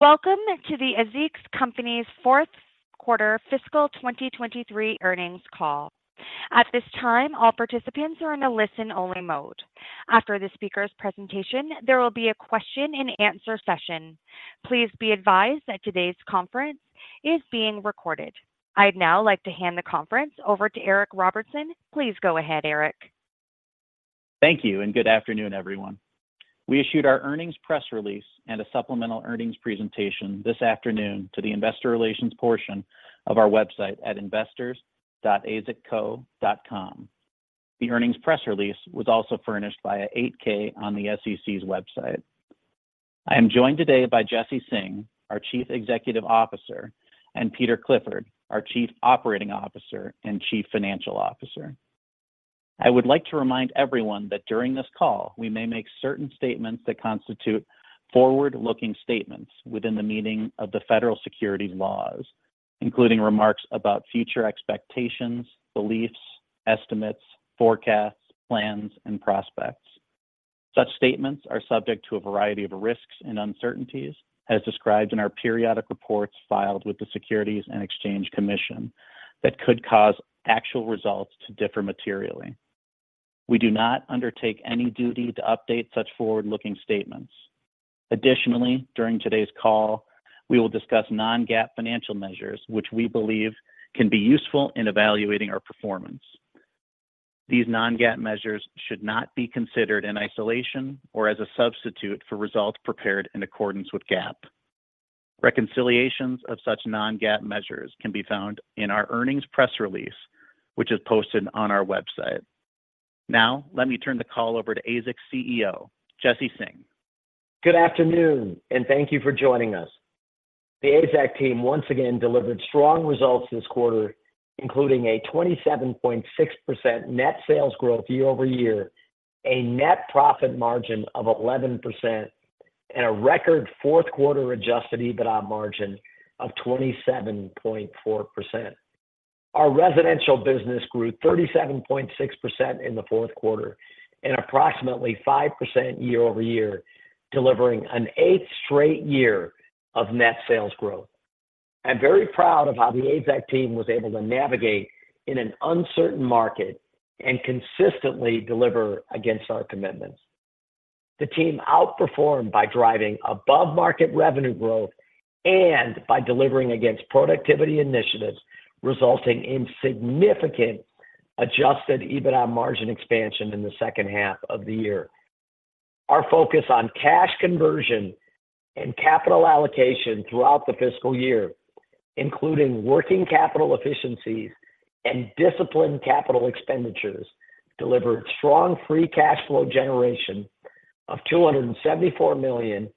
Welcome to the AZEK Company's Q4 fiscal 2023 earnings call. At this time, all participants are in a listen-only mode. After the speaker's presentation, there will be a question and answer session. Please be advised that today's conference is being recorded. I'd now like to hand the conference over to Eric Robinson. Please go ahead, Eric. Thank you, and good afternoon, everyone. We issued our earnings press release and a supplemental earnings presentation this afternoon to the investor relations portion of our website at investors.azekco.com. The earnings press release was also furnished by an 8-K on the SEC's website. I am joined today by Jesse Singh, our Chief Executive Officer, and Peter Clifford, our Chief Operating Officer and Chief Financial Officer. I would like to remind everyone that during this call, we may make certain statements that constitute forward-looking statements within the meaning of the federal securities laws, including remarks about future expectations, beliefs, estimates, forecasts, plans, and prospects. Such statements are subject to a variety of risks and uncertainties, as described in our periodic reports filed with the Securities and Exchange Commission, that could cause actual results to differ materially. We do not undertake any duty to update such forward-looking statements. Additionally, during today's call, we will discuss non-GAAP financial measures, which we believe can be useful in evaluating our performance. These non-GAAP measures should not be considered in isolation or as a substitute for results prepared in accordance with GAAP. Reconciliations of such non-GAAP measures can be found in our earnings press release, which is posted on our website. Now, let me turn the call over to AZEK's CEO, Jesse Singh. Good afternoon, and thank you for joining us. The AZEK team once again delivered strong results this quarter, including a 27.6% net sales growth year-over-year, a net profit margin of 11%, and a record Q4 Adjusted EBITDA margin of 27.4%. Our residential business grew 37.6% in the Q4 and approximately 5% year-over-year, delivering an eighth straight year of net sales growth. I'm very proud of how the AZEK team was able to navigate in an uncertain market and consistently deliver against our commitments. The team outperformed by driving above-market revenue growth and by delivering against productivity initiatives, resulting in significant Adjusted EBITDA margin expansion in the second half of the year. Our focus on cash conversion and capital allocation throughout the fiscal year, including working capital efficiencies and disciplined capital expenditures, delivered strong free cash flow generation of $274 million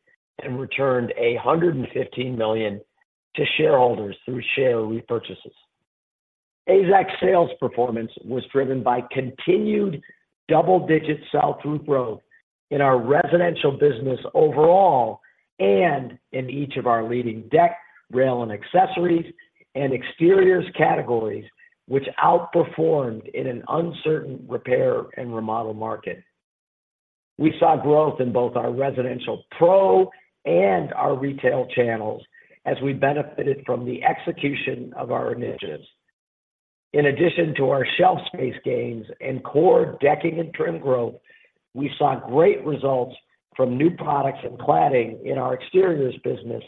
and returned $115 million to shareholders through share repurchases. AZEK's sales performance was driven by continued double-digit sell-through growth in our residential business overall and in each of our leading deck, rail, and accessories and exteriors categories, which outperformed in an uncertain repair and remodel market. We saw growth in both our residential pro and our retail channels as we benefited from the execution of our initiatives. In addition to our shelf space gains and core decking and trim growth, we saw great results from new products and cladding in our exteriors business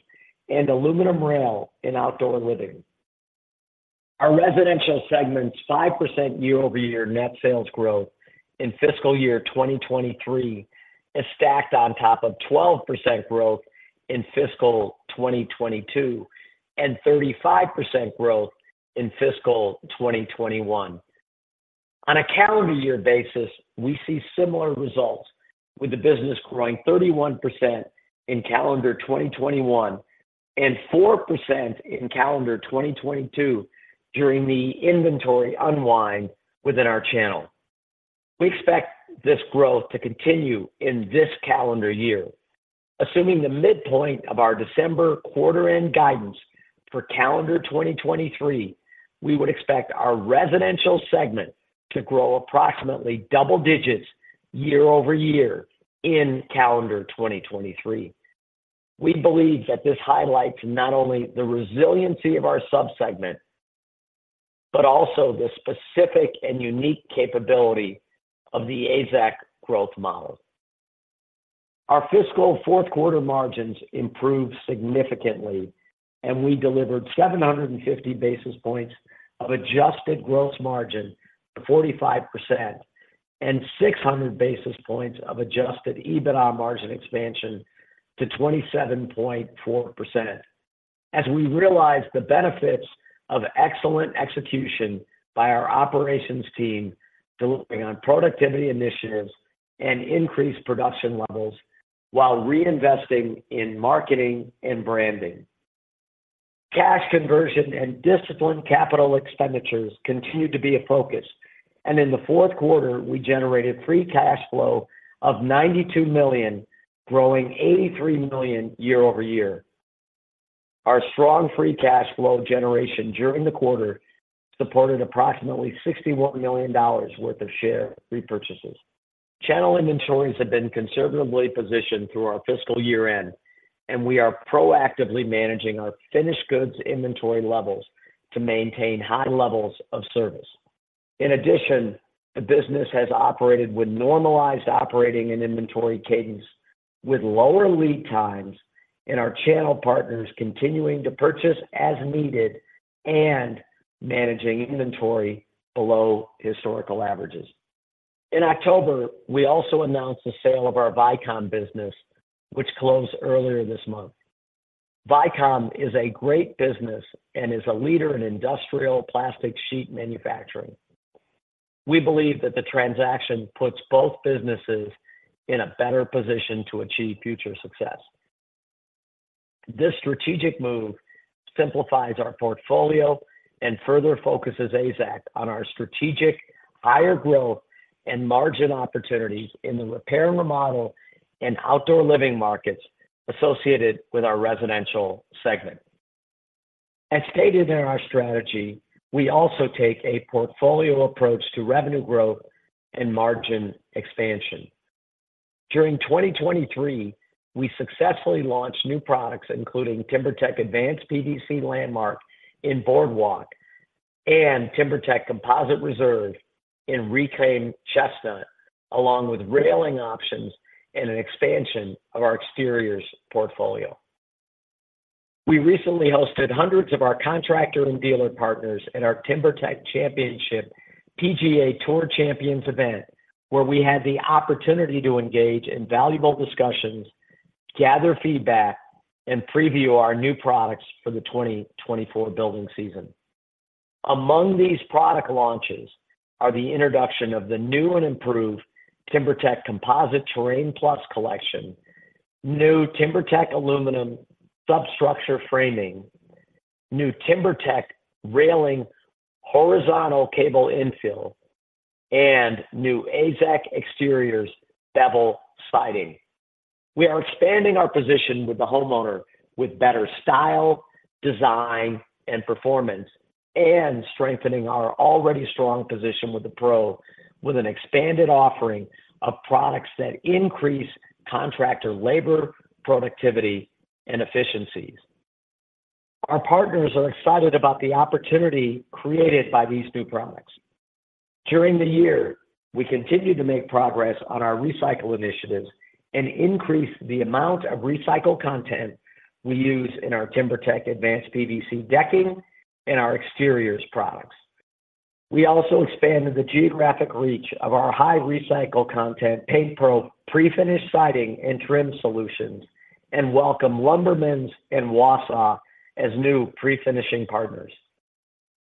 and aluminum rail in outdoor living. Our residential segment's 5% year-over-year net sales growth in fiscal year 2023 is stacked on top of 12% growth in fiscal 2022, and 35% growth in fiscal 2021. On a calendar year basis, we see similar results, with the business growing 31% in calendar 2021 and 4% in calendar 2022 during the inventory unwind within our channel. We expect this growth to continue in this calendar year. Assuming the midpoint of our December quarter end guidance for calendar 2023, we would expect our residential segment to grow approximately double digits year-over-year in calendar 2023. We believe that this highlights not only the resiliency of our subsegment, but also the specific and unique capability of the AZEK growth model. Our fiscal Q4 margins improved significantly, and we delivered 750 basis points of Adjusted Gross Margin to 45% and 600 basis points of Adjusted EBITDA margin expansion to 27.4%. As we realize the benefits of excellent execution by our operations team, delivering on productivity initiatives and increased production levels while reinvesting in marketing and branding. Cash conversion and disciplined capital expenditures continued to be a focus, and in the Q4, we generated Free Cash Flow of $92 million, growing $83 million year-over-year. Our strong Free Cash Flow generation during the quarter supported approximately $61 million worth of share repurchases. Channel inventories have been conservatively positioned through our fiscal year-end, and we are proactively managing our finished goods inventory levels to maintain high levels of service. In addition, the business has operated with normalized operating and inventory cadence, with lower lead times and our channel partners continuing to purchase as needed and managing inventory below historical averages. In October, we also announced the sale of our Vycom business, which closed earlier this month. Vycom is a great business and is a leader in industrial plastic sheet manufacturing. We believe that the transaction puts both businesses in a better position to achieve future success. This strategic move simplifies our portfolio and further focuses AZEK on our strategic higher growth and margin opportunities in the repair and remodel and outdoor living markets associated with our residential segment. As stated in our strategy, we also take a portfolio approach to revenue growth and margin expansion. During 2023, we successfully launched new products, including TimberTech Advanced PVC Landmark in Boardwalk and TimberTech Composite Reserve in Reclaimed Chestnut, along with railing options and an expansion of our exteriors portfolio. We recently hosted hundreds of our contractor and dealer partners at our TimberTech Championship PGA TOUR Champions event, where we had the opportunity to engage in valuable discussions, gather feedback, and preview our new products for the 2024 building season. Among these product launches are the introduction of the new and improved TimberTech Composite Terrain+ collection, new TimberTech aluminum substructure framing, new TimberTech railing, horizontal cable infill, and new AZEK Exteriors bevel siding. We are expanding our position with the homeowner with better style, design, and performance, and strengthening our already strong position with the pro, with an expanded offering of products that increase contractor labor, productivity, and efficiencies. Our partners are excited about the opportunity created by these new products. During the year, we continued to make progress on our recycle initiatives and increase the amount of recycled content we use in our TimberTech Advanced PVC Decking and our exteriors products. We also expanded the geographic reach of our high recycle content PaintPro Prefinished Siding and Trim solutions, and welcome Lumbermen's and Wausau as new prefinishing partners.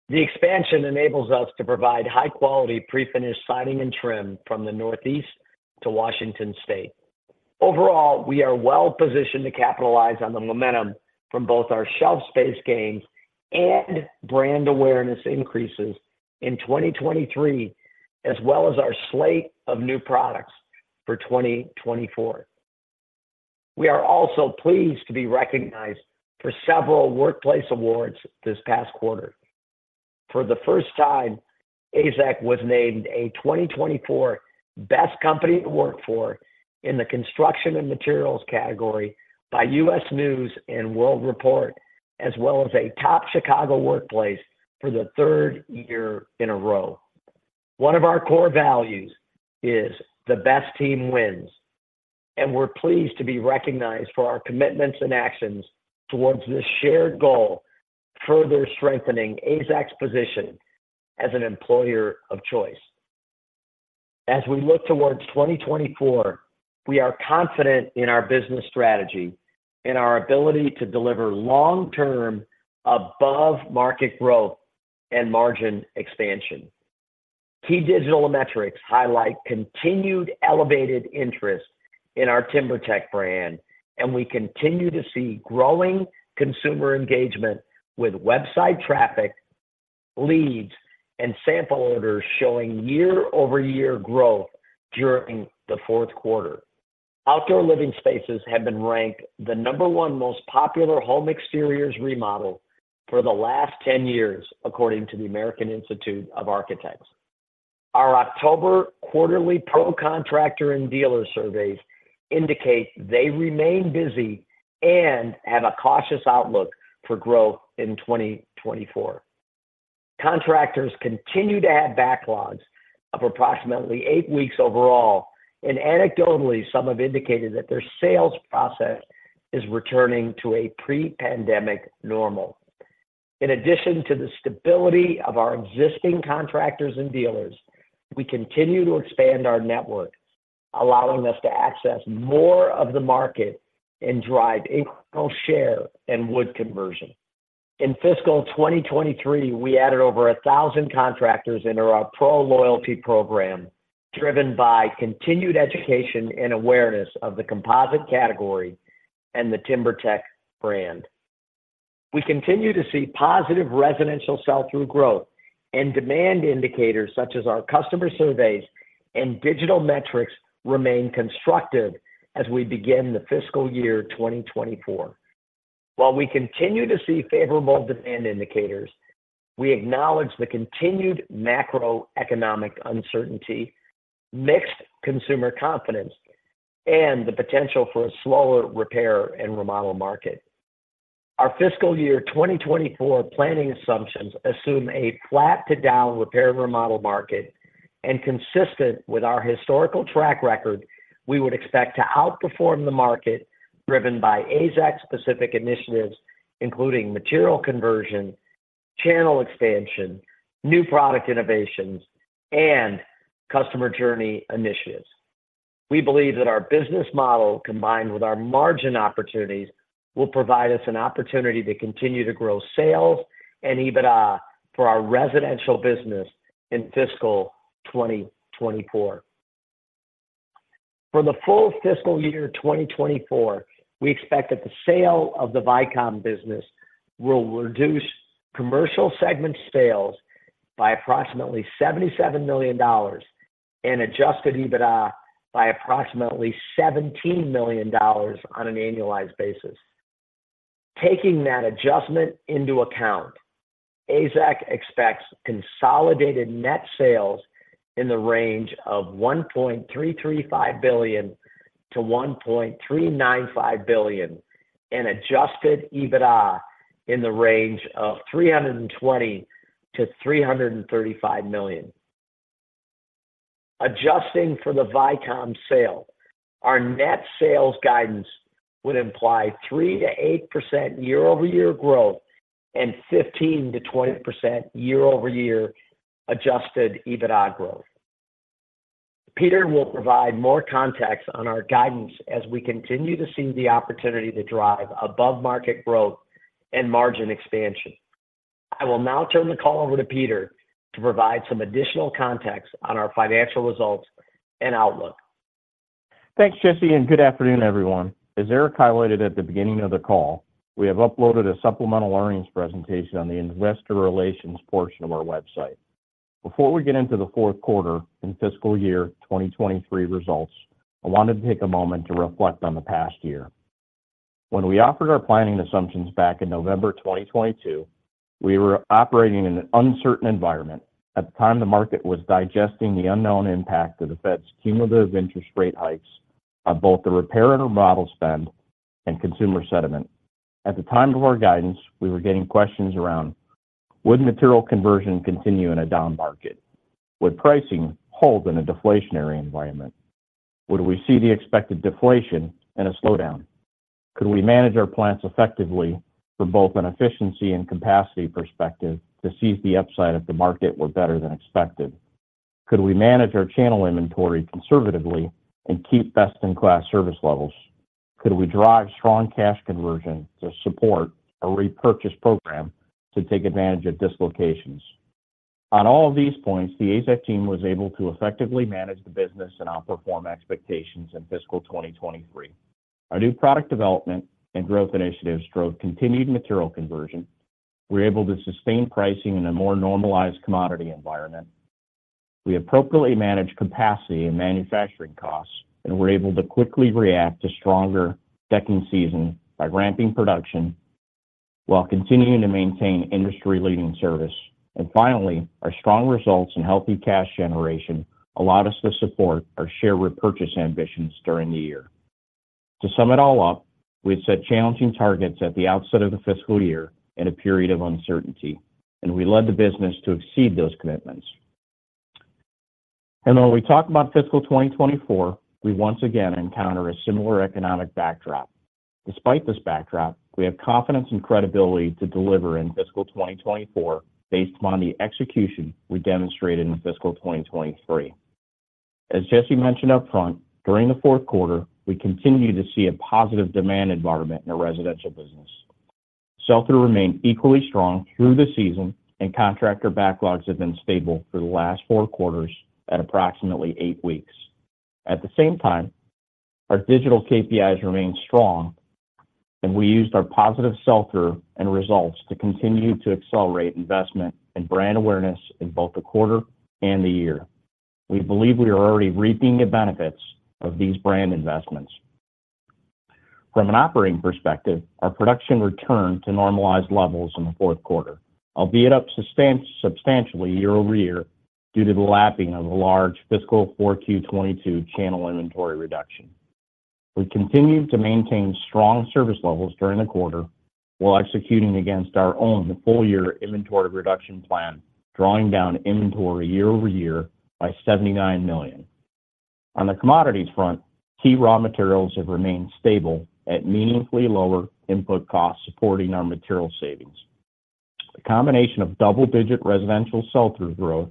The expansion enables us to provide high-quality prefinished siding and trim from the Northeast to Washington State. Overall, we are well positioned to capitalize on the momentum from both our shelf space gains and brand awareness increases in 2023, as well as our slate of new products for 2024. We are also pleased to be recognized for several workplace awards this past quarter. For the first time, AZEK was named a 2024 Best Company to Work For in the Construction and Materials category by U.S. News & World Report, as well as a top Chicago workplace for the third year in a row. One of our core values is the best team wins, and we're pleased to be recognized for our commitments and actions towards this shared goal, further strengthening AZEK's position as an employer of choice. As we look towards 2024, we are confident in our business strategy and our ability to deliver long-term above-market growth and margin expansion. Key digital metrics highlight continued elevated interest in our TimberTech brand, and we continue to see growing consumer engagement, with website traffic, leads, and sample orders showing year-over-year growth during the Q4. Outdoor living spaces have been ranked the No. 1 most popular home exteriors remodel for the last 10 years, according to the American Institute of Architects. Our October quarterly pro contractor and dealer surveys indicate they remain busy and have a cautious outlook for growth in 2024. Contractors continue to have backlogs of approximately eight weeks overall, and anecdotally, some have indicated that their sales process is returning to a pre-pandemic normal. In addition to the stability of our existing contractors and dealers, we continue to expand our network, allowing us to access more of the market and drive increased share and wood conversion. In fiscal 2023, we added over 1,000 contractors into our Pro Loyalty program, driven by continued education and awareness of the composite category and the TimberTech brand. We continue to see positive residential sell-through growth and demand indicators, such as our customer surveys and digital metrics, remain constructive as we begin the fiscal year 2024. While we continue to see favorable demand indicators, we acknowledge the continued macroeconomic uncertainty, mixed consumer confidence, and the potential for a slower repair and remodel market. Our fiscal year 2024 planning assumptions assume a flat to down repair and remodel market, and consistent with our historical track record, we would expect to outperform the market, driven by AZEK's specific initiatives, including material conversion, channel expansion, new product innovations, and customer journey initiatives. We believe that our business model, combined with our margin opportunities, will provide us an opportunity to continue to grow sales and EBITDA for our residential business in fiscal 2024. For the full fiscal year 2024, we expect that the sale of the Vycom business will reduce commercial segment sales by approximately $77 million and adjusted EBITDA by approximately $17 million on an annualized basis. Taking that adjustment into account, AZEK expects consolidated net sales in the range of $1.335 billion-$1.395 billion, and adjusted EBITDA in the range of $320 million-$335 million. Adjusting for the Vycom sale, our net sales guidance would imply 3%-8% year-over-year growth and 15%-20% year-over-year adjusted EBITDA growth. Peter will provide more context on our guidance as we continue to see the opportunity to drive above-market growth and margin expansion. I will now turn the call over to Peter to provide some additional context on our financial results and outlook. Thanks, Jesse, and good afternoon, everyone. As Eric highlighted at the beginning of the call, we have uploaded a supplemental earnings presentation on the investor relations portion of our website. Before we get into the Q4 and fiscal year 2023 results, I wanted to take a moment to reflect on the past year. When we offered our planning assumptions back in November 2022, we were operating in an uncertain environment. At the time, the market was digesting the unknown impact of the Fed's cumulative interest rate hikes on both the repair and remodel spend and consumer sentiment. At the time of our guidance, we were getting questions around: Would material conversion continue in a down market? Would pricing hold in a deflationary environment? Would we see the expected deflation and a slowdown? Could we manage our plants effectively from both an efficiency and capacity perspective to seize the upside if the market were better than expected? Could we manage our channel inventory conservatively and keep best-in-class service levels? Could we drive strong cash conversion to support a repurchase program to take advantage of dislocations? On all of these points, the AZEK team was able to effectively manage the business and outperform expectations in fiscal 2023. Our new product development and growth initiatives drove continued material conversion. We were able to sustain pricing in a more normalized commodity environment. We appropriately managed capacity and manufacturing costs, and we were able to quickly react to stronger second season by ramping production while continuing to maintain industry-leading service. And finally, our strong results and healthy cash generation allowed us to support our share repurchase ambitions during the year. To sum it all up, we had set challenging targets at the outset of the fiscal year in a period of uncertainty, and we led the business to exceed those commitments. When we talk about fiscal 2024, we once again encounter a similar economic backdrop. Despite this backdrop, we have confidence and credibility to deliver in fiscal 2024 based on the execution we demonstrated in fiscal 2023. As Jesse mentioned upfront, during the Q4, we continued to see a positive demand environment in the residential business. Sell-through remained equally strong through the season, and contractor backlogs have been stable for the last four quarters at approximately eight weeks. At the same time, our digital KPIs remained strong, and we used our positive sell-through and results to continue to accelerate investment and brand awareness in both the quarter and the year. We believe we are already reaping the benefits of these brand investments. From an operating perspective, our production returned to normalized levels in the Q4, albeit up substantially year-over-year, due to the lapping of a large fiscal 4Q 2022 channel inventory reduction. We continued to maintain strong service levels during the quarter while executing against our own full-year inventory reduction plan, drawing down inventory year-over-year by $79 million. On the commodities front, key raw materials have remained stable at meaningfully lower input costs, supporting our material savings. The combination of double-digit residential sell-through growth,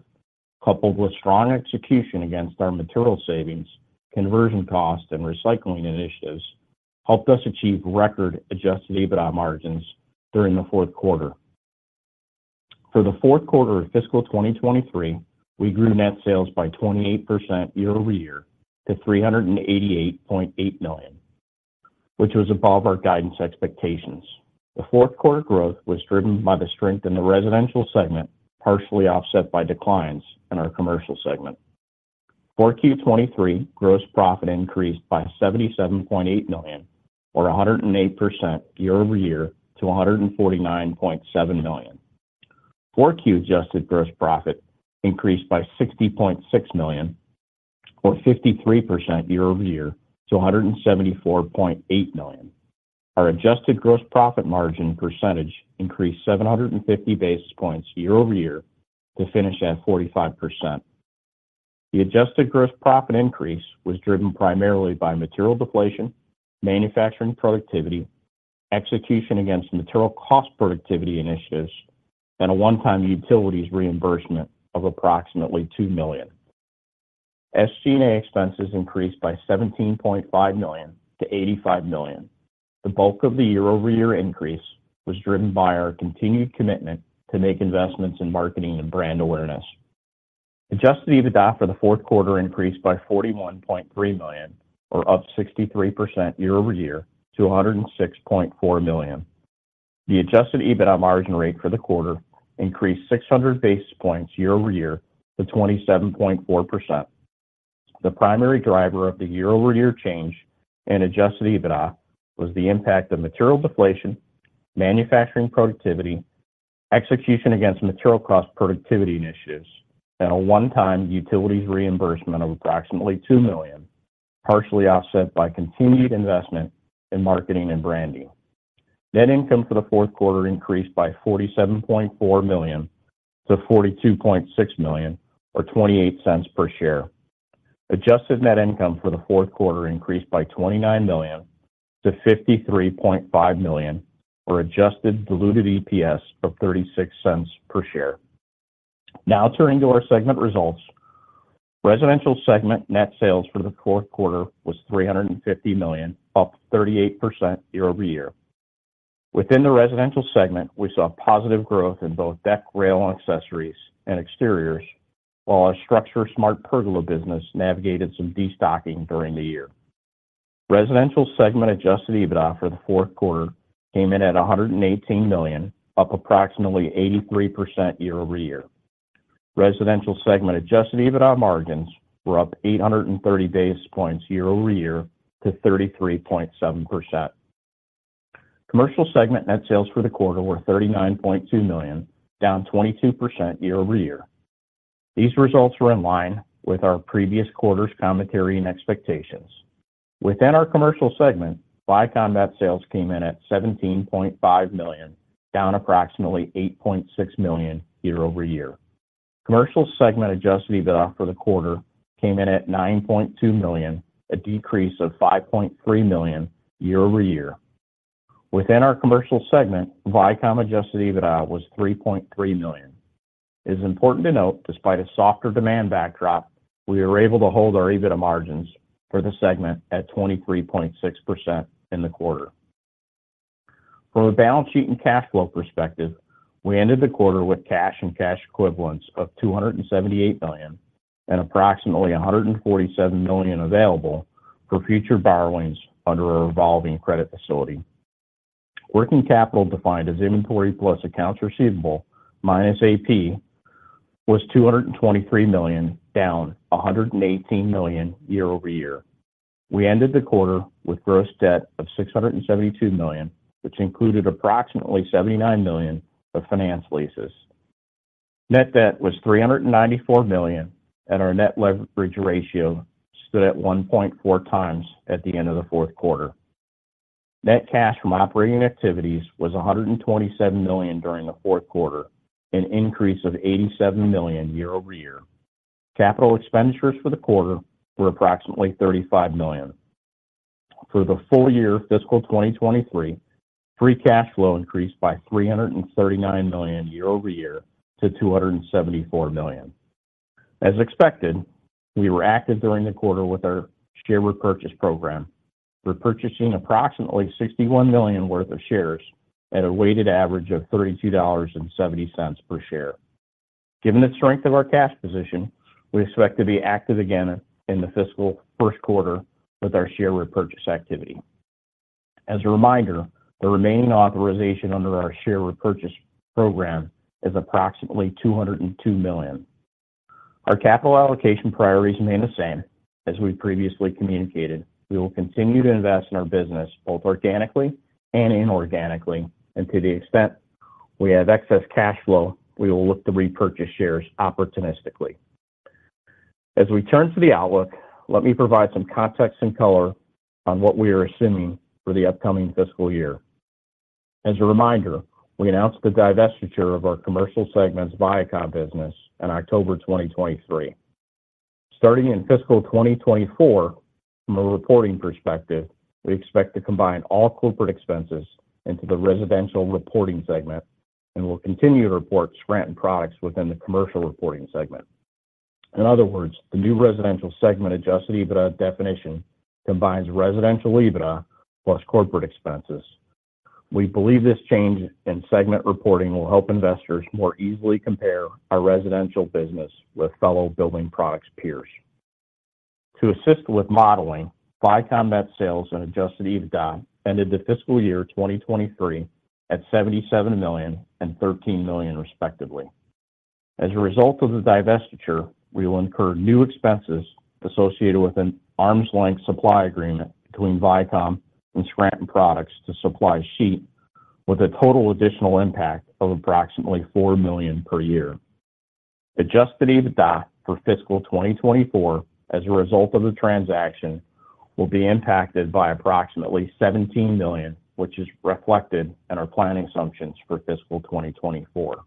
coupled with strong execution against our material savings, conversion costs, and recycling initiatives, helped us achieve record Adjusted EBITDA margins during the Q4. For the Q4 of fiscal 2023, we grew net sales by 28% year-over-year to $388.8 million, which was above our guidance expectations. The Q4 growth was driven by the strength in the residential segment, partially offset by declines in our commercial segment.... For Q23, gross profit increased by $77.8 million, or 108% year-over-year to $149.7 million. For Q, adjusted gross profit increased by $60.6 million, or 53% year-over-year, to $174.8 million. Our adjusted gross profit margin percentage increased 750 basis points year-over-year to finish at 45%. The adjusted gross profit increase was driven primarily by material deflation, manufacturing productivity, execution against material cost productivity initiatives, and a one-time utilities reimbursement of approximately $2 million. SG&A expenses increased by $17.5 million to $85 million. The bulk of the year-over-year increase was driven by our continued commitment to make investments in marketing and brand awareness. Adjusted EBITDA for the Q4 increased by $41.3 million, or up 63% year over year to $106.4 million. The adjusted EBITDA margin rate for the quarter increased 600 basis points year over year to 27.4%. The primary driver of the year-over-year change in adjusted EBITDA was the impact of material deflation, manufacturing productivity, execution against material cost productivity initiatives, and a one-time utilities reimbursement of approximately $2 million, partially offset by continued investment in marketing and branding. Net income for the Q4 increased by $47.4 million to $42.6 million or $0.28 per share. Adjusted net income for the Q4 increased by $29 million to $53.5 million, or adjusted diluted EPS of $0.36 per share. Now turning to our segment results. Residential segment net sales for the Q4 was $350 million, up 38% year-over-year. Within the residential segment, we saw positive growth in both deck, rail, and accessories and exteriors, while our StruXure Pergola business navigated some destocking during the year. Residential segment adjusted EBITDA for the Q4 came in at $118 million, up approximately 83% year-over-year. Residential segment adjusted EBITDA margins were up 830 basis points year-over-year to 33.7%. Commercial segment net sales for the quarter were $39.2 million, down 22% year-over-year. These results were in line with our previous quarter's commentary and expectations. Within our commercial segment, Vycom net sales came in at $17.5 million, down approximately $8.6 million year-over-year. Commercial segment adjusted EBITDA for the quarter came in at $9.2 million, a decrease of $5.3 million year-over-year. Within our commercial segment, Vycom adjusted EBITDA was $3.3 million. It is important to note, despite a softer demand backdrop, we were able to hold our EBITDA margins for the segment at 23.6% in the quarter. From a balance sheet and cash flow perspective, we ended the quarter with cash and cash equivalents of $278 million, and approximately $147 million available for future borrowings under a revolving credit facility. Working capital, defined as inventory plus accounts receivable minus AP, was $223 million, down $118 million year-over-year. We ended the quarter with gross debt of $672 million, which included approximately $79 million of finance leases. Net debt was $394 million, and our net leverage ratio stood at 1.4 times at the end of the Q4. Net cash from operating activities was $127 million during the Q4, an increase of $87 million year-over-year. Capital expenditures for the quarter were approximately $35 million. For the full year, fiscal 2023, Free Cash Flow increased by $339 million year-over-year to $274 million. As expected, we were active during the quarter with our share repurchase program, repurchasing approximately $61 million worth of shares at a weighted average of $32.70 per share. Given the strength of our cash position, we expect to be active again in the fiscal Q1 with our share repurchase activity. As a reminder, the remaining authorization under our share repurchase program is approximately $202 million. Our capital allocation priorities remain the same. As we previously communicated, we will continue to invest in our business, both organically and inorganically, and to the extent we have excess cash flow, we will look to repurchase shares opportunistically. As we turn to the outlook, let me provide some context and color on what we are assuming for the upcoming fiscal year. As a reminder, we announced the divestiture of our commercial segment's Vycom business in October 2023. Starting in fiscal 2024, from a reporting perspective, we expect to combine all corporate expenses into the residential reporting segment, and we'll continue to report Scranton Products within the commercial reporting segment. In other words, the new residential segment Adjusted EBITDA definition combines residential EBITDA plus corporate expenses. We believe this change in segment reporting will help investors more easily compare our residential business with fellow building products peers. To assist with modeling, Vycom net sales and Adjusted EBITDA ended the fiscal year 2023 at $77 million and $13 million, respectively. As a result of the divestiture, we will incur new expenses associated with an arm's-length supply agreement between Vycom and Scranton Products to supply sheet, with a total additional impact of approximately $4 million per year. Adjusted EBITDA for fiscal 2024 as a result of the transaction will be impacted by approximately $17 million, which is reflected in our planning assumptions for fiscal 2024.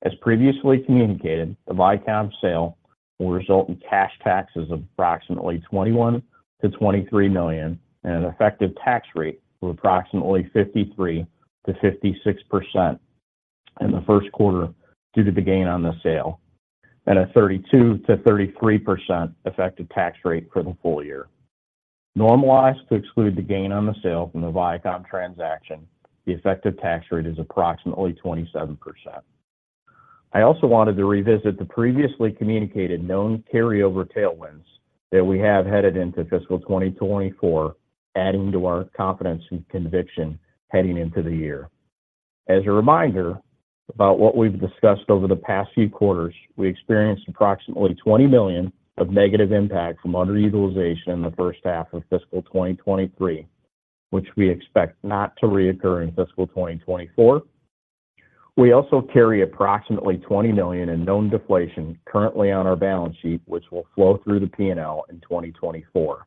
As previously communicated, the Vycom sale will result in cash taxes of approximately $21 million-$23 million, and an effective tax rate of approximately 53%-56% in the Q1 due to the gain on the sale, and a 32%-33% effective tax rate for the full year. Normalized to exclude the gain on the sale from the Vycom transaction, the effective tax rate is approximately 27%. I also wanted to revisit the previously communicated known carryover tailwinds that we have headed into fiscal 2024, adding to our confidence and conviction heading into the year. As a reminder about what we've discussed over the past few quarters, we experienced approximately $20 million of negative impact from underutilization in the first half of fiscal 2023, which we expect not to reoccur in fiscal 2024. We also carry approximately $20 million in known deflation currently on our balance sheet, which will flow through the P&L in 2024.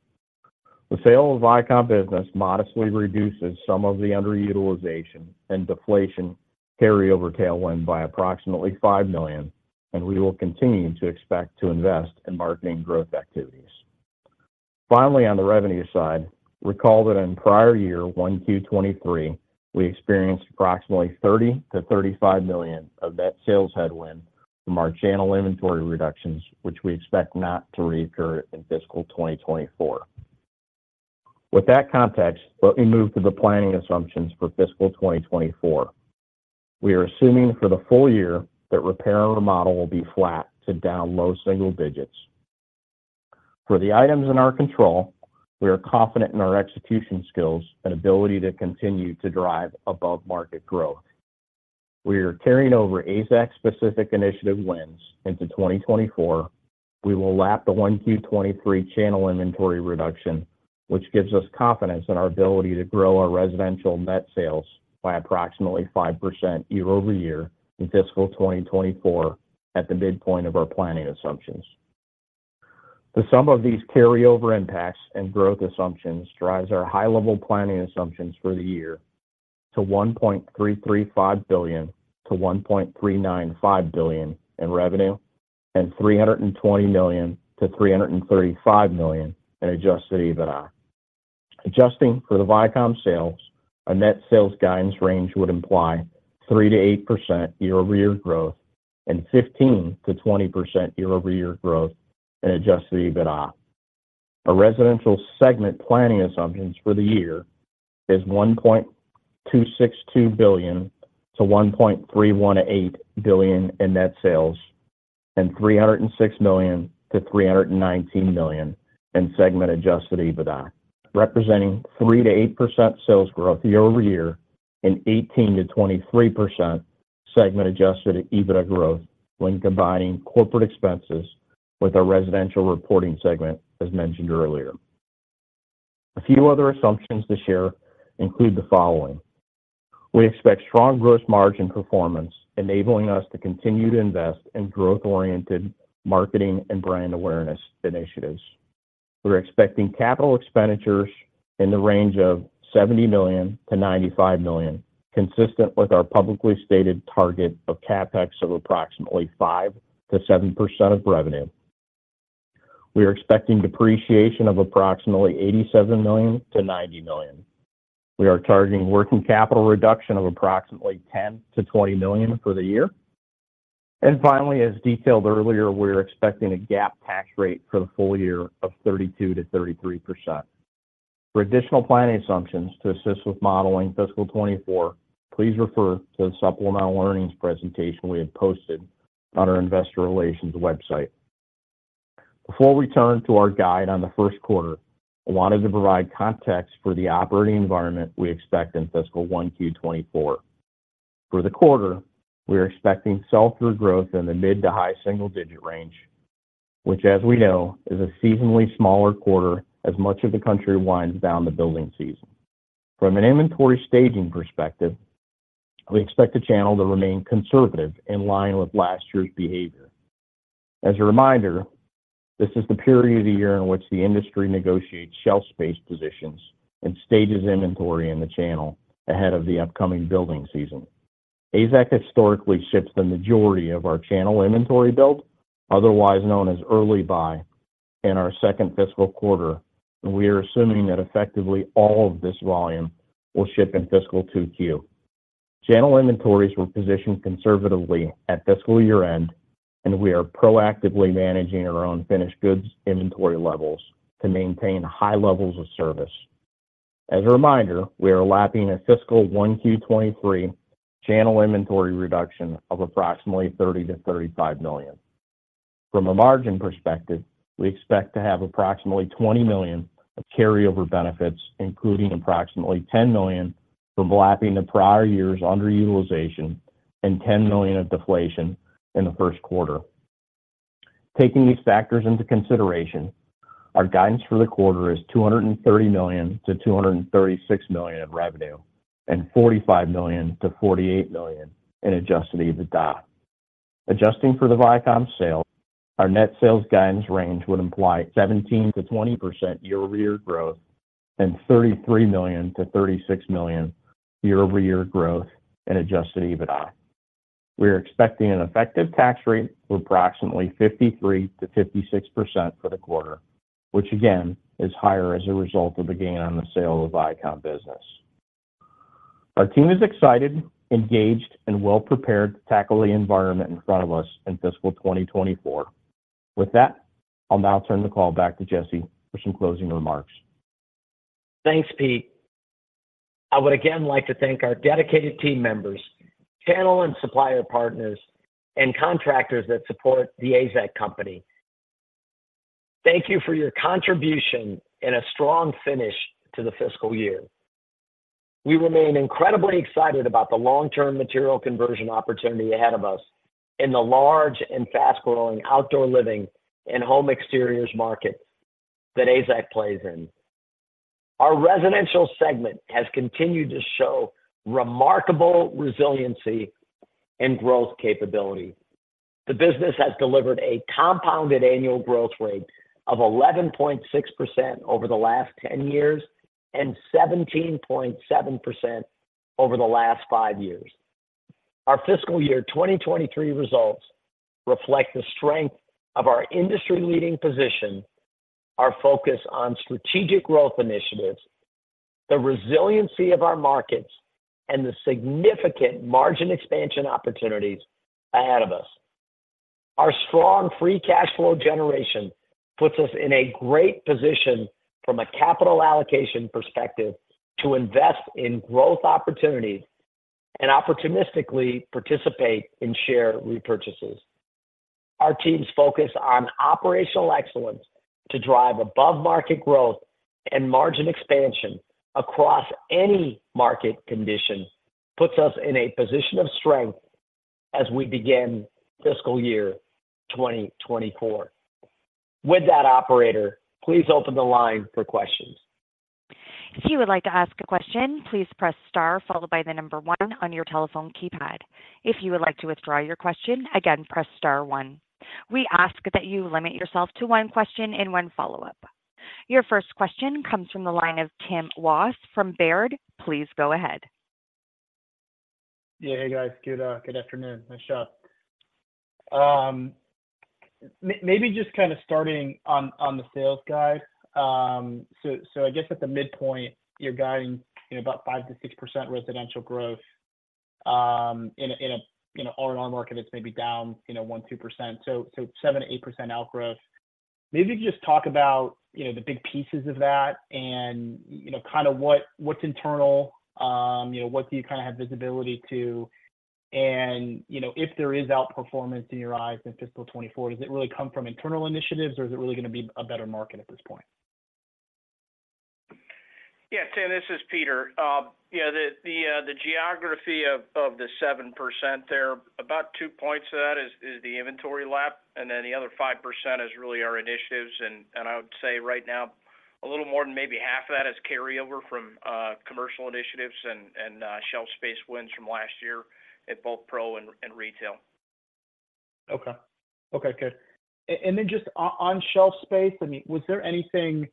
The sale of Vycom business modestly reduces some of the underutilization and deflation carryover tailwind by approximately $5 million, and we will continue to expect to invest in marketing growth activities. Finally, on the revenue side, recall that in prior year, 1Q23, we experienced approximately $30 million-$35 million of net sales headwind from our channel inventory reductions, which we expect not to reoccur in fiscal 2024. With that context, let me move to the planning assumptions for fiscal 2024. We are assuming for the full year that repair and remodel will be flat to down low single digits. For the items in our control, we are confident in our execution skills and ability to continue to drive above-market growth. We are carrying over AZEK specific initiative wins into 2024. We will lap the 1Q23 channel inventory reduction, which gives us confidence in our ability to grow our residential net sales by approximately 5% year-over-year in fiscal 2024 at the midpoint of our planning assumptions. The sum of these carryover impacts and growth assumptions drives our high-level planning assumptions for the year to $1.335 billion-$1.395 billion in revenue and $320 million-$335 million in Adjusted EBITDA. Adjusting for the Vycom sales, our net sales guidance range would imply 3%-8% year-over-year growth and 15%-20% year-over-year growth in Adjusted EBITDA. Our residential segment planning assumptions for the year is $1.262 billion-$1.318 billion in net sales and $306 million-$319 million in segment Adjusted EBITDA, representing 3%-8% sales growth year-over-year and 18%-23% segment Adjusted EBITDA growth when combining corporate expenses with our residential reporting segment, as mentioned earlier. A few other assumptions to share include the following: We expect strong gross margin performance, enabling us to continue to invest in growth-oriented marketing and brand awareness initiatives. We're expecting capital expenditures in the range of $70 million-$95 million, consistent with our publicly stated target of CapEx of approximately 5%-7% of revenue. We are expecting depreciation of approximately $87 million-$90 million. We are targeting working capital reduction of approximately $10 million-$20 million for the year. And finally, as detailed earlier, we are expecting a GAAP tax rate for the full year of 32%-33%. For additional planning assumptions to assist with modeling fiscal 2024, please refer to the supplemental earnings presentation we have posted on our Investor Relations website. Before we turn to our guide on the Q1, I wanted to provide context for the operating environment we expect in fiscal 1Q2024. For the quarter, we are expecting sell-through growth in the mid- to high-single-digit range, which, as we know, is a seasonally smaller quarter as much of the country winds down the building season. From an inventory staging perspective, we expect the channel to remain conservative in line with last year's behavior. As a reminder, this is the period of the year in which the industry negotiates shelf space positions and stages inventory in the channel ahead of the upcoming building season. AZEK historically ships the majority of our channel inventory build, otherwise known as early buy, in our second fiscal quarter, and we are assuming that effectively all of this volume will ship in fiscal 2Q2024. Channel inventories were positioned conservatively at fiscal year-end, and we are proactively managing our own finished goods inventory levels to maintain high levels of service. As a reminder, we are lapping a fiscal 1Q 2023 channel inventory reduction of approximately $30 million-$35 million. From a margin perspective, we expect to have approximately $20 million of carryover benefits, including approximately $10 million from lapping the prior year's underutilization and $10 million of deflation in the Q1. Taking these factors into consideration, our guidance for the quarter is $230 million-$236 million in revenue and $45 million-$48 million in Adjusted EBITDA. Adjusting for the Vycom sale, our net sales guidance range would imply 17%-20% year-over-year growth and $33 million-$36 million year-over-year growth in Adjusted EBITDA. We are expecting an effective tax rate of approximately 53%-56% for the quarter, which again, is higher as a result of the gain on the sale of Vycom business. Our team is excited, engaged, and well prepared to tackle the environment in front of us in fiscal 2024. With that, I'll now turn the call back to Jesse for some closing remarks. Thanks, Pete. I would again like to thank our dedicated team members, channel and supplier partners, and contractors that support the AZEK Company. Thank you for your contribution and a strong finish to the fiscal year. We remain incredibly excited about the long-term material conversion opportunity ahead of us in the large and fast-growing outdoor living and home exteriors market that AZEK plays in. Our residential segment has continued to show remarkable resiliency and growth capability. The business has delivered a compounded annual growth rate of 11.6% over the last 10 years and 17.7% over the last five years. Our fiscal year 2023 results reflect the strength of our industry-leading position, our focus on strategic growth initiatives, the resiliency of our markets, and the significant margin expansion opportunities ahead of us. Our strong free cash flow generation puts us in a great position from a capital allocation perspective to invest in growth opportunities and opportunistically participate in share repurchases. Our team's focus on operational excellence to drive above-market growth and margin expansion across any market condition, puts us in a position of strength as we begin fiscal year 2024. With that, operator, please open the line for questions. If you would like to ask a question, please press star followed by the number one on your telephone keypad. If you would like to withdraw your question, again, press star one. We ask that you limit yourself to one question and one follow-up. Your first question comes from the line of Tim Wojs from Baird. Please go ahead. Yeah, hey, guys. Good, good afternoon. Nice job. Maybe just kind of starting on the sales guide. So, I guess at the midpoint, you're guiding, you know, about 5%-6% residential growth, in an R&R market that's maybe down, you know, 1%-2%, so 7%-8% outgrowth. Maybe just talk about, you know, the big pieces of that and, you know, kind of what, what's internal, you know, what do you kind of have visibility to? And, you know, if there is outperformance in your eyes in fiscal 2024, does it really come from internal initiatives, or is it really gonna be a better market at this point? Yeah, Tim, this is Peter. Yeah, the geography of the 7% there, about two points of that is the inventory lap, and then the other 5% is really our initiatives. And I would say right now, a little more than maybe half of that is carryover from commercial initiatives and shelf space wins from last year at both pro and retail. Okay. Okay, good. And then just on shelf space, I mean, was there anything,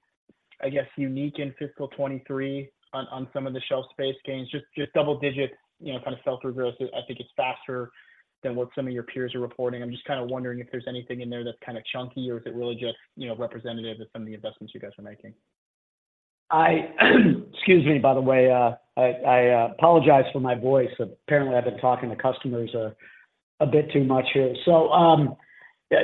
I guess, unique in fiscal 2023 on some of the shelf space gains? Just double-digit, you know, kind of sell-through growth. I think it's faster than what some of your peers are reporting. I'm just kind of wondering if there's anything in there that's kind of chunky, or is it really just, you know, representative of some of the investments you guys are making? Excuse me, by the way, I apologize for my voice. Apparently, I've been talking to customers a bit too much here. So, yeah,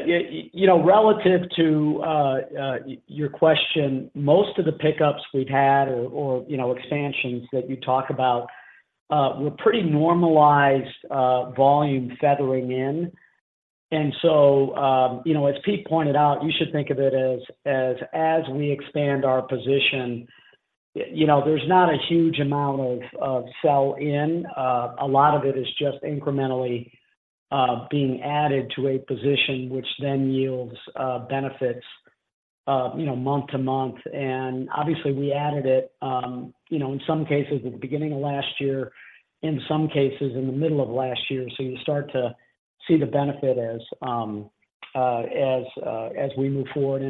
you know, relative to your question, most of the pickups we've had, you know, expansions that you talk about were pretty normalized volume feathering in. And so, you know, as Pete pointed out, you should think of it as we expand our position, you know, there's not a huge amount of sell-in. A lot of it is just incrementally being added to a position which then yields benefits, you know, month to month. And obviously, we added it, you know, in some cases at the beginning of last year, in some cases in the middle of last year. So you start to see the benefit as we move forward.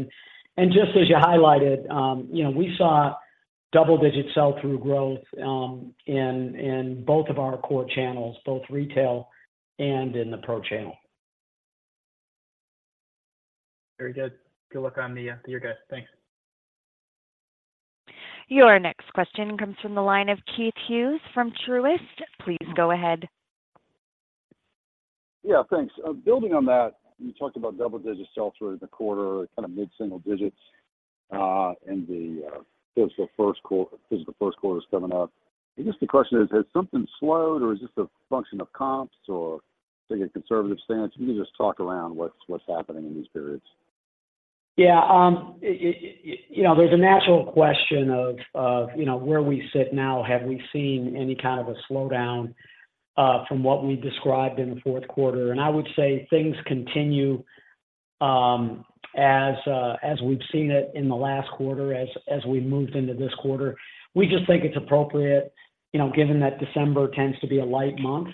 And just as you highlighted, you know, we saw double-digit sell-through growth in both of our core channels, both retail and in the pro channel. Very good. Good luck on the year, guys. Thanks. Your next question comes from the line of Keith Hughes from Truist. Please go ahead.... Yeah, thanks. Building on that, you talked about double-digit sell-through in the quarter, kind of mid-single digits in the fiscal Q1 is coming up. I guess the question is, has something slowed, or is this a function of comps, or take a conservative stance? Can you just talk around what's happening in these periods? Yeah, you know, there's a natural question of, you know, where we sit now, have we seen any kind of a slowdown, from what we described in the Q4? And I would say things continue, as we've seen it in the last quarter as we moved into this quarter. We just think it's appropriate, you know, given that December tends to be a light month,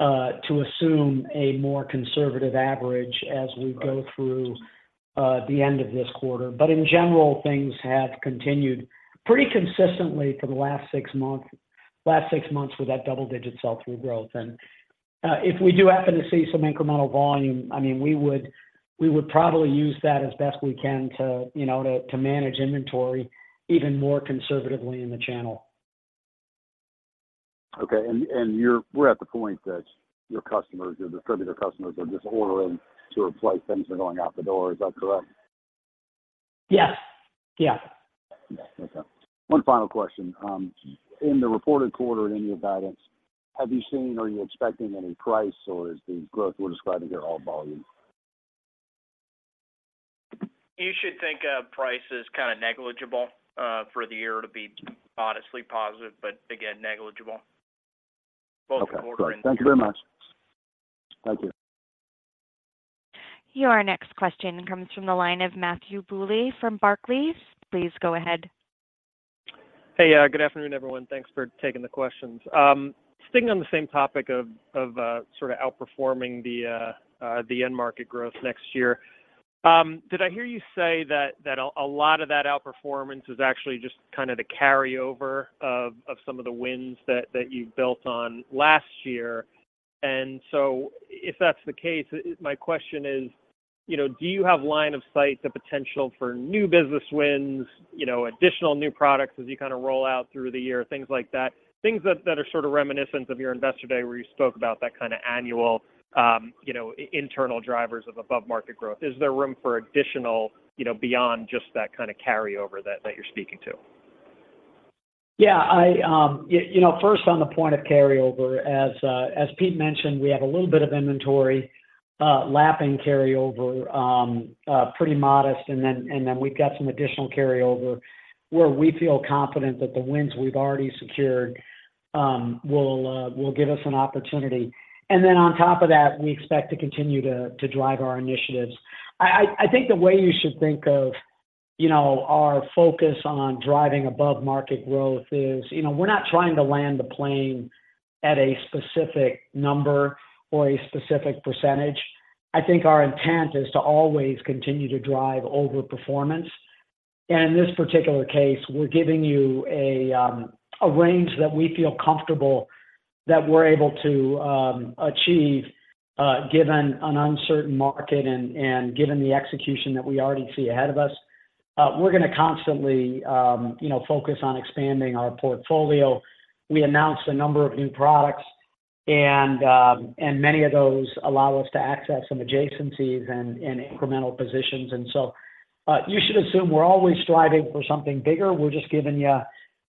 to assume a more conservative average as we go through- Right... the end of this quarter. But in general, things have continued pretty consistently for the last six months, last six months with that double-digit sell-through growth. And, if we do happen to see some incremental volume, I mean, we would, we would probably use that as best we can to, you know, to, to manage inventory even more conservatively in the channel. Okay. And we're at the point that your customers, your distributor customers, are just ordering to replace things that are going out the door. Is that correct? Yes. Yeah. Yeah. Okay. One final question: in the reported quarter, in your guidance, have you seen or are you expecting any price, or is the growth we're describing here all volume? You should think of price as kind of negligible, for the year to be modestly positive, but again, negligible, both quarter and- Okay. Great. Thank you very much. Thank you. Your next question comes from the line of Matthew Bouley from Barclays. Please go ahead. Hey, good afternoon, everyone. Thanks for taking the questions. Staying on the same topic of sort of outperforming the end market growth next year, did I hear you say that a lot of that outperformance is actually just kind of the carryover of some of the wins that you built on last year? And so if that's the case, my question is, you know, do you have line of sight to potential for new business wins, you know, additional new products as you kind of roll out through the year, things like that? Things that are sort of reminiscent of your Investor Day, where you spoke about that kind of annual, you know, internal drivers of above-market growth. Is there room for additional, you know, beyond just that kind of carryover that, that you're speaking to? Yeah, you know, first on the point of carryover, as Pete mentioned, we have a little bit of inventory lapping carryover, pretty modest, and then, and then we've got some additional carryover where we feel confident that the wins we've already secured will give us an opportunity. And then on top of that, we expect to continue to drive our initiatives. I think the way you should think of, you know, our focus on driving above market growth is, you know, we're not trying to land the plane at a specific number or a specific percentage. I think our intent is to always continue to drive over performance. And in this particular case, we're giving you a range that we feel comfortable that we're able to achieve, given an uncertain market and given the execution that we already see ahead of us. We're gonna constantly, you know, focus on expanding our portfolio. We announced a number of new products, and many of those allow us to access some adjacencies and incremental positions. So, you should assume we're always striving for something bigger. We're just giving you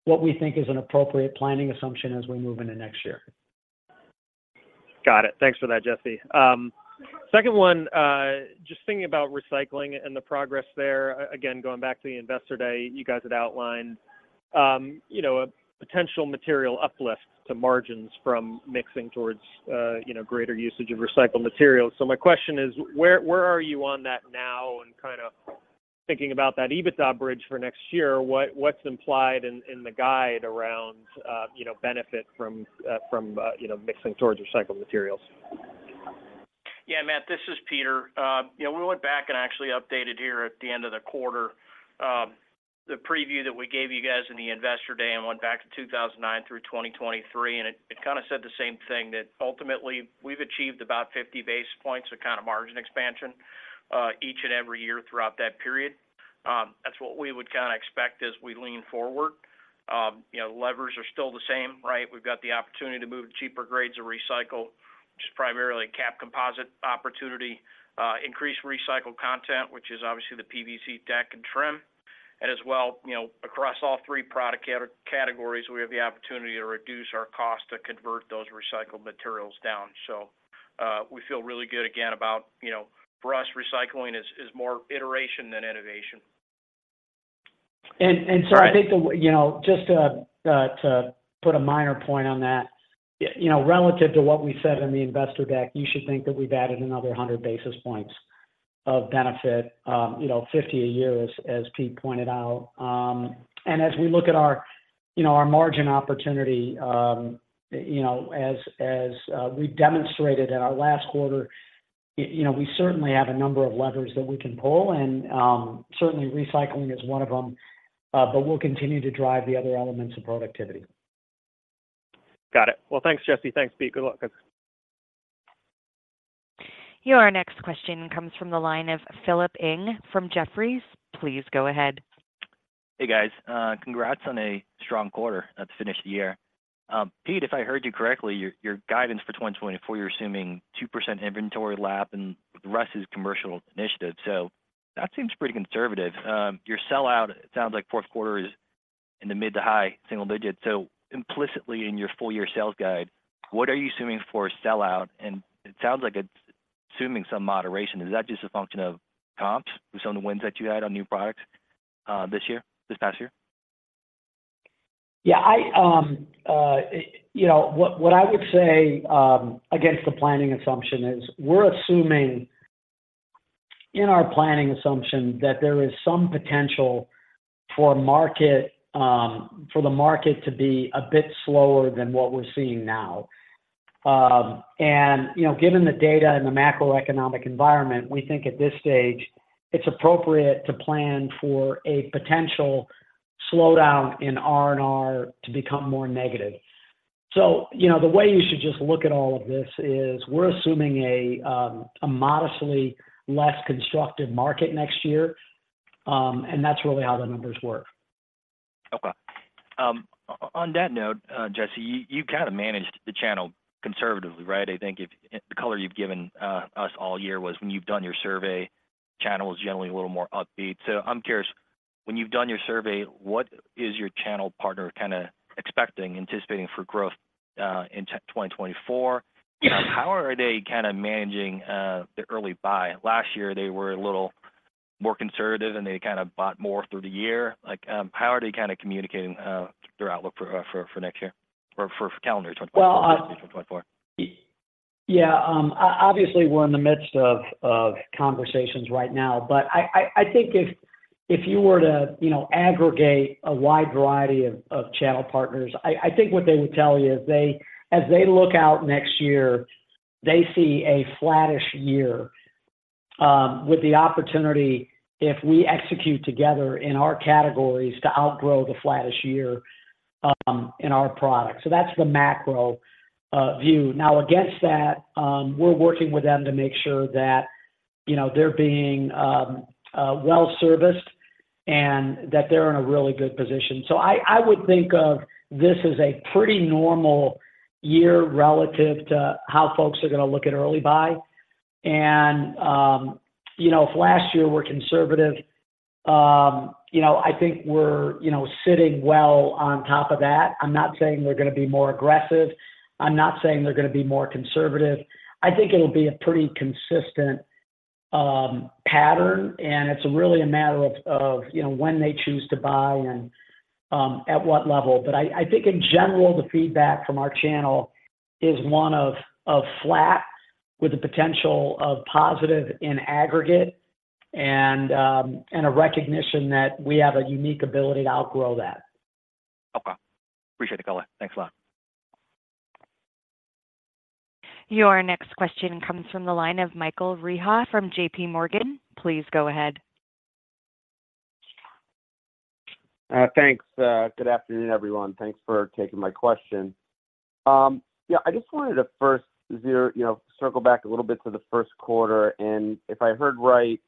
what we think is an appropriate planning assumption as we move into next year. Got it. Thanks for that, Jesse. Second one, just thinking about recycling and the progress there, again, going back to the Investor Day, you guys had outlined, you know, a potential material uplift to margins from mixing towards, you know, greater usage of recycled materials. So my question is: where, where are you on that now? And kind of thinking about that EBITDA bridge for next year, what's implied in the guide around, you know, benefit from, from, you know, mixing towards recycled materials? Yeah, Matt, this is Peter. You know, we went back and actually updated here at the end of the quarter, the preview that we gave you guys in the Investor Day and went back to 2009 through 2023, and it kind of said the same thing, that ultimately, we've achieved about 50 basis points of kind of margin expansion, each and every year throughout that period. That's what we would kind of expect as we lean forward. You know, levers are still the same, right? We've got the opportunity to move to cheaper grades of recycle, which is primarily cap composite opportunity, increase recycled content, which is obviously the PVC deck and trim. And as well, you know, across all three product categories, we have the opportunity to reduce our cost to convert those recycled materials down. So, we feel really good again about, you know, for us, recycling is more iteration than innovation. So- Right... I think the, you know, just to, to put a minor point on that, you know, relative to what we said in the investor deck, you should think that we've added another 100 basis points of benefit, you know, 50 a year, as Pete pointed out. And as we look at our, you know, our margin opportunity, you know, as we demonstrated in our last quarter, you know, we certainly have a number of levers that we can pull, and, certainly, recycling is one of them, but we'll continue to drive the other elements of productivity. Got it. Well, thanks, Jesse. Thanks, Pete. Good luck, guys. Your next question comes from the line of Philip Ng from Jefferies. Please go ahead. ...Hey, guys, congrats on a strong quarter to finish the year. Pete, if I heard you correctly, your, your guidance for 2024, you're assuming 2% inventory lap and with Res's commercial initiative. So that seems pretty conservative. Your sellout, it sounds like Q4 is in the mid- to high-single digits. So implicitly in your full year sales guide, what are you assuming for sellout? And it sounds like it's assuming some moderation. Is that just a function of comps based on the wins that you had on new products, this year, this past year? Yeah, I, you know, what, what I would say against the planning assumption is, we're assuming in our planning assumption that there is some potential for market for the market to be a bit slower than what we're seeing now. And, you know, given the data and the macroeconomic environment, we think at this stage it's appropriate to plan for a potential slowdown in R&R to become more negative. So, you know, the way you should just look at all of this is: we're assuming a a modestly less constructive market next year, and that's really how the numbers work. Okay. On that note, Jesse, you've kind of managed the channel conservatively, right? I think the color you've given us all year was when you've done your survey, channel is generally a little more upbeat. So I'm curious, when you've done your survey, what is your channel partner kind of expecting, anticipating for growth in 2024? Yeah. How are they kind of managing the early buy? Last year, they were a little more conservative, and they kind of bought more through the year. Like, how are they kind of communicating their outlook for next year or for calendar 2024- Well- twenty twenty-four? Yeah, obviously, we're in the midst of conversations right now, but I think if you were to, you know, aggregate a wide variety of channel partners, I think what they would tell you is they as they look out next year, they see a flattish year with the opportunity, if we execute together in our categories, to outgrow the flattish year in our products. So that's the macro view. Now, against that, we're working with them to make sure that, you know, they're being well-serviced and that they're in a really good position. So I would think of this as a pretty normal year relative to how folks are gonna look at early buy. You know, if last year were conservative, you know, I think we're, you know, sitting well on top of that. I'm not saying they're gonna be more aggressive. I'm not saying they're gonna be more conservative. I think it'll be a pretty consistent pattern, and it's really a matter of you know, when they choose to buy and at what level. But I think in general, the feedback from our channel is one of flat with the potential of positive in aggregate and a recognition that we have a unique ability to outgrow that. Okay. Appreciate the color. Thanks a lot. Your next question comes from the line of Michael Rehaut from JP Morgan. Please go ahead. Thanks. Good afternoon, everyone. Thanks for taking my question. Yeah, I just wanted to first circle back a little bit to the Q1, and if I heard right,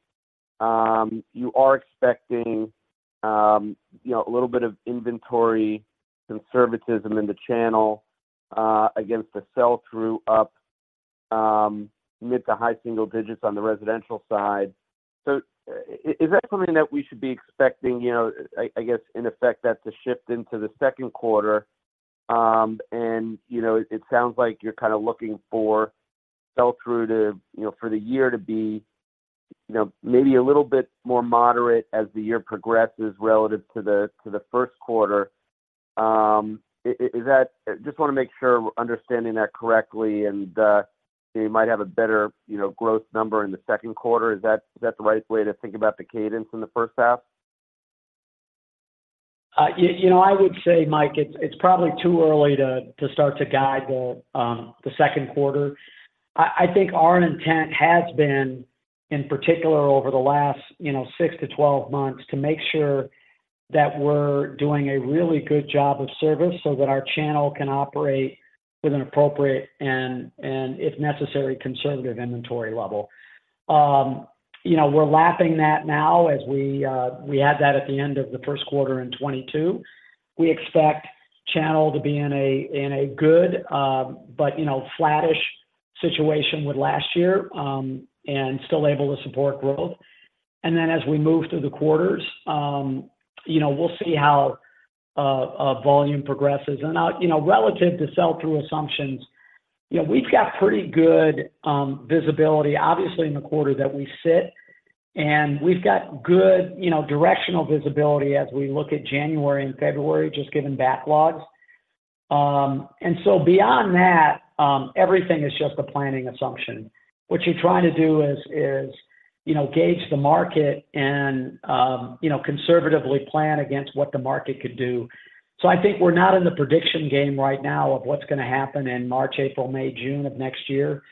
you are expecting, you know, a little bit of inventory conservatism in the channel, against the sell-through up mid- to high single digits on the residential side. So is that something that we should be expecting, you know, I guess, in effect, that's a shift into the Q2. And, you know, it sounds like you're kind of looking for sell-through to, you know, for the year to be, you know, maybe a little bit more moderate as the year progresses relative to the, to the Q1. Is that? Just want to make sure I'm understanding that correctly and you might have a better, you know, growth number in the Q2. Is that, is that the right way to think about the cadence in the first half? You know, I would say, Mike, it's probably too early to start to guide the Q2. I think our intent has been, in particular over the last, you know, 6-12 months, to make sure that we're doing a really good job of service so that our channel can operate with an appropriate and, if necessary, conservative inventory level. You know, we're lapping that now as we had that at the end of the Q1 in 2022. We expect channel to be in a good, but, you know, flattish situation with last year, and still able to support growth. And then as we move through the quarters, you know, we'll see how volume progresses. You know, relative to sell-through assumptions, you know, we've got pretty good visibility, obviously in the quarter that we sit, and we've got good, you know, directional visibility as we look at January and February, just given backlogs. And so beyond that, everything is just a planning assumption. What you're trying to do is, is, you know, gauge the market and, you know, conservatively plan against what the market could do. So I think we're not in the prediction game right now of what's gonna happen in March, April, May, June of next year.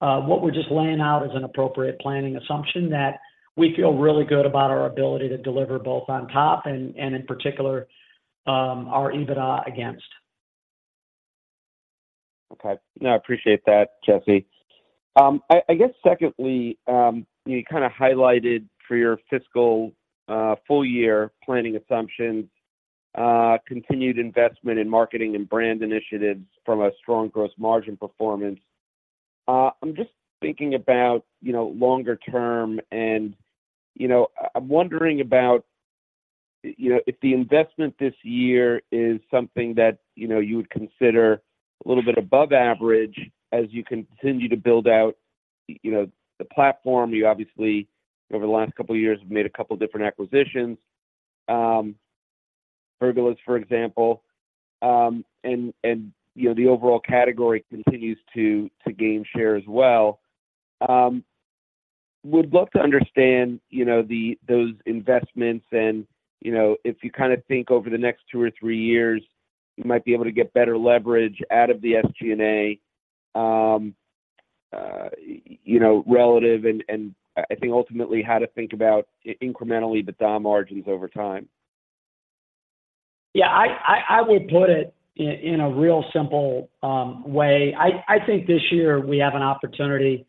What we're just laying out is an appropriate planning assumption that we feel really good about our ability to deliver both on top and, and in particular, our EBITDA against.... Okay. No, I appreciate that, Jesse. I guess secondly, you kind of highlighted for your fiscal full year planning assumptions, continued investment in marketing and brand initiatives from a strong gross margin performance. I'm just thinking about, you know, longer term, and, you know, I'm wondering about, you know, if the investment this year is something that, you know, you would consider a little bit above average as you continue to build out, you know, the platform. You obviously, over the last couple of years, have made a couple different acquisitions, pergolas, for example. And you know, the overall category continues to gain share as well. Would love to understand, you know, those investments and, you know, if you kind of think over the next two or three years, you might be able to get better leverage out of the SG&A, you know, relative and, and I think ultimately, how to think about incrementally, the drop margins over time. Yeah, I will put it in a real simple way. I think this year we have an opportunity,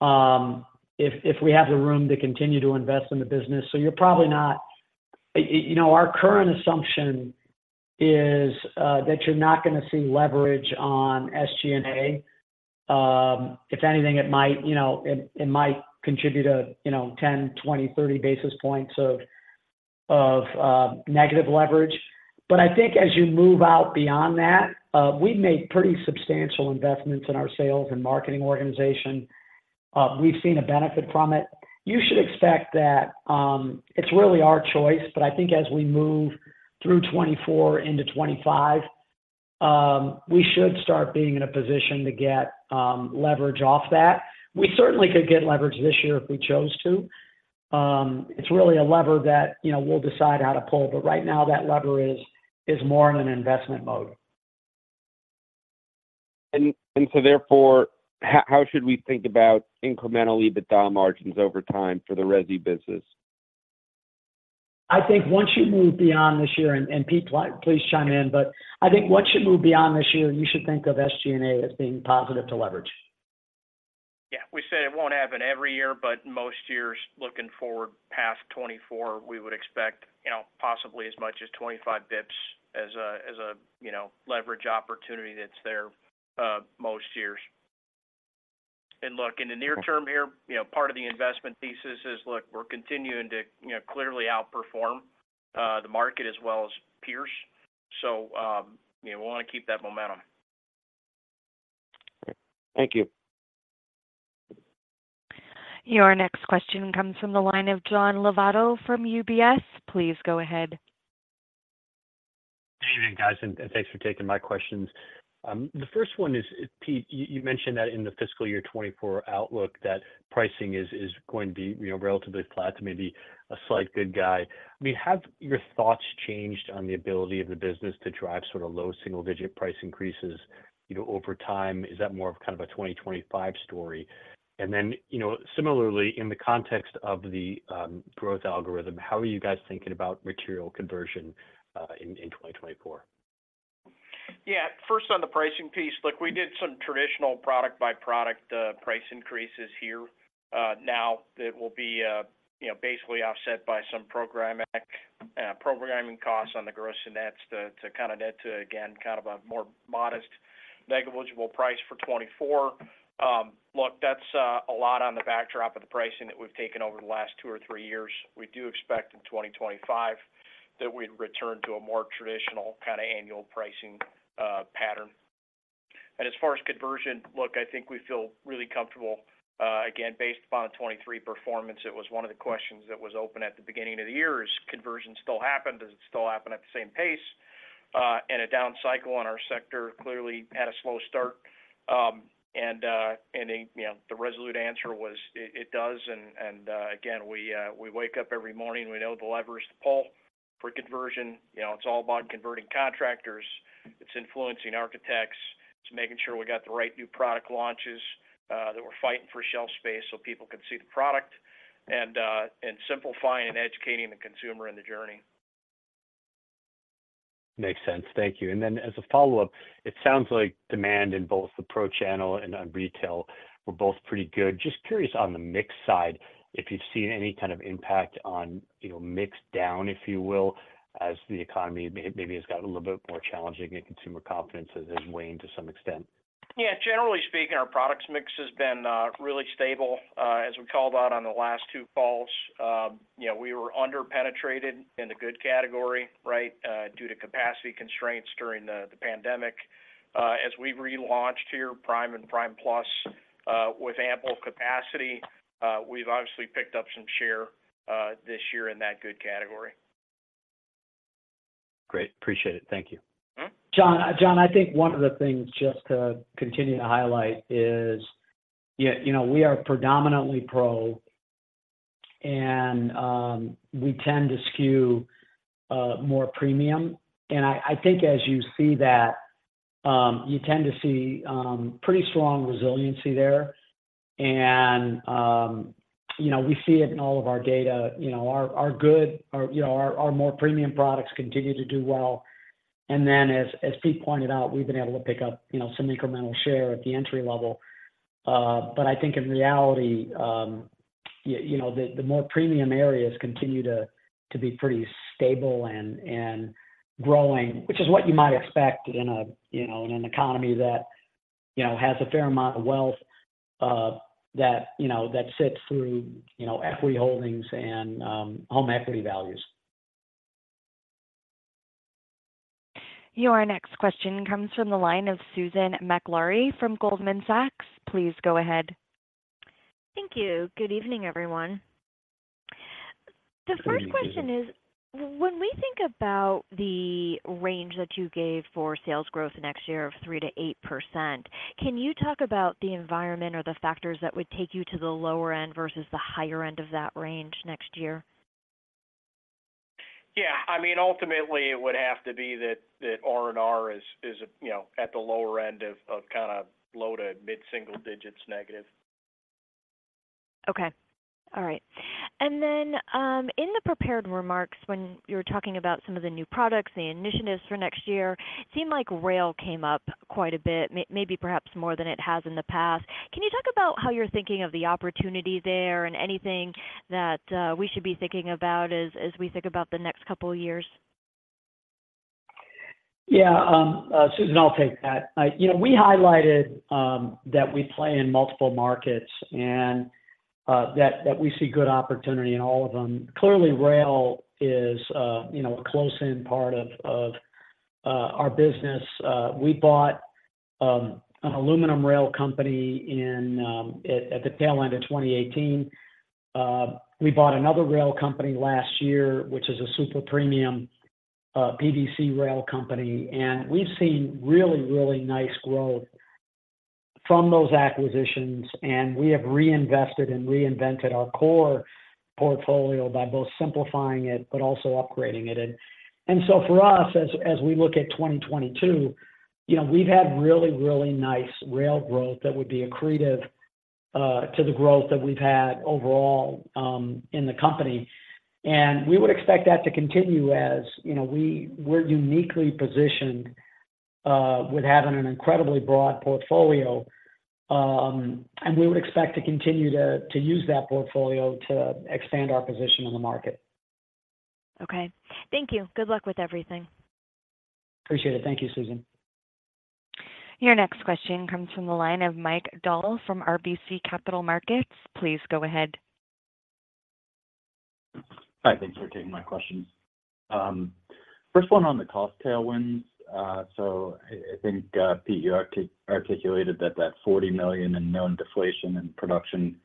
if we have the room to continue to invest in the business. So you're probably not... You know, our current assumption is that you're not gonna see leverage on SG&A. If anything, it might, you know, it might contribute to, you know, 10, 20, 30 basis points of negative leverage. But I think as you move out beyond that, we've made pretty substantial investments in our sales and marketing organization. We've seen a benefit from it. You should expect that, it's really our choice, but I think as we move through 2024 into 2025, we should start being in a position to get leverage off that. We certainly could get leverage this year if we chose to. It's really a lever that, you know, we'll decide how to pull, but right now, that lever is more in an investment mode. And so therefore, how should we think about incremental EBITDA margins over time for the resi business? I think once you move beyond this year, and Pete, please chime in, but I think once you move beyond this year, you should think of SG&A as being positive to leverage. Yeah. We said it won't happen every year, but most years, looking forward past 2024, we would expect, you know, possibly as much as 25 basis points as a, you know, leverage opportunity that's there, most years. And look, in the near term here, you know, part of the investment thesis is, look, we're continuing to, you know, clearly outperform the market as well as peers. So, you know, we wanna keep that momentum. Thank you. Your next question comes from the line of John Lovallo from UBS. Please go ahead. Good evening, guys, and thanks for taking my questions. The first one is, Pete, you mentioned that in the fiscal year 2024 outlook, that pricing is going to be, you know, relatively flat to maybe a slight uptick. I mean, have your thoughts changed on the ability of the business to drive sort of low single-digit price increases, you know, over time? Is that more of kind of a 2025 story? And then, you know, similarly, in the context of the growth algorithm, how are you guys thinking about material conversion in 2024? Yeah. First, on the pricing piece, look, we did some traditional product-by-product price increases here. Now, that will be, you know, basically offset by some programming costs on the gross and nets to kind of net to, again, kind of a more modest negligible price for 2024. Look, that's a lot on the backdrop of the pricing that we've taken over the last two or three years. We do expect in 2025, that we'd return to a more traditional kind of annual pricing pattern. As far as conversion, look, I think we feel really comfortable, again, based upon the 2023 performance. It was one of the questions that was open at the beginning of the year, is conversion still happened? Does it still happen at the same pace? And a down cycle on our sector clearly had a slow start. And, you know, the resolute answer was, it does. And, again, we wake up every morning, we know the levers to pull for conversion. You know, it's all about converting contractors, it's influencing architects, it's making sure we got the right new product launches, that we're fighting for shelf space so people can see the product, and simplifying and educating the consumer in the journey. Makes sense. Thank you. And then as a follow-up, it sounds like demand in both the pro channel and on retail were both pretty good. Just curious on the mix side, if you've seen any kind of impact on, you know, mix down, if you will, as the economy maybe, maybe has got a little bit more challenging, and consumer confidence has waned to some extent. Yeah, generally speaking, our products mix has been really stable. As we called out on the last two falls, you know, we were underpenetrated in the good category, right, due to capacity constraints during the pandemic. As we've relaunched here, Prime and Prime Plus, with ample capacity, we've obviously picked up some share this year in that good category. Great. Appreciate it. Thank you. John, John, I think one of the things just to continue to highlight is, yeah, you know, we are predominantly pro, and we tend to skew more premium. And I think as you see that, you tend to see pretty strong resiliency there, and you know, we see it in all of our data. You know, our good, our more premium products continue to do well. And then as Pete pointed out, we've been able to pick up, you know, some incremental share at the entry level. But I think in reality, you know, the more premium areas continue to be pretty stable and growing, which is what you might expect in a you know in an economy that you know has a fair amount of wealth, that sits through you know equity holdings and home equity values. Your next question comes from the line of Susan Maklari from Goldman Sachs. Please go ahead. Thank you. Good evening, everyone. Good evening. The first question is, when we think about the range that you gave for sales growth next year of 3%-8%, can you talk about the environment or the factors that would take you to the lower end versus the higher end of that range next year? Yeah. I mean, ultimately, it would have to be that R&R is, you know, at the lower end of kind of low to mid single digits negative. Okay. All right. And then, in the prepared remarks, when you were talking about some of the new products, the initiatives for next year, it seemed like rail came up quite a bit, maybe perhaps more than it has in the past. Can you talk about how you're thinking of the opportunity there and anything that, we should be thinking about as we think about the next couple of years? Yeah, Susan, I'll take that. You know, we highlighted that we play in multiple markets and that we see good opportunity in all of them. Clearly, rail is, you know, a close-in part of our business. We bought an aluminum rail company in at the tail end of 2018. We bought another rail company last year, which is a super premium PVC rail company, and we've seen really, really nice growth from those acquisitions, and we have reinvested and reinvented our core portfolio by both simplifying it, but also upgrading it. So for us, as we look at 2022, you know, we've had really, really nice rail growth that would be accretive to the growth that we've had overall in the company. And we would expect that to continue, as you know, we're uniquely positioned with having an incredibly broad portfolio. And we would expect to continue to use that portfolio to expand our position in the market. Okay. Thank you. Good luck with everything. Appreciate it. Thank you, Susan. Your next question comes from the line of Mike Dahl from RBC Capital Markets. Please go ahead. Hi, thanks for taking my questions. First one on the cost tailwinds. So I think, Pete, you articulated that $40 million in known deflation and production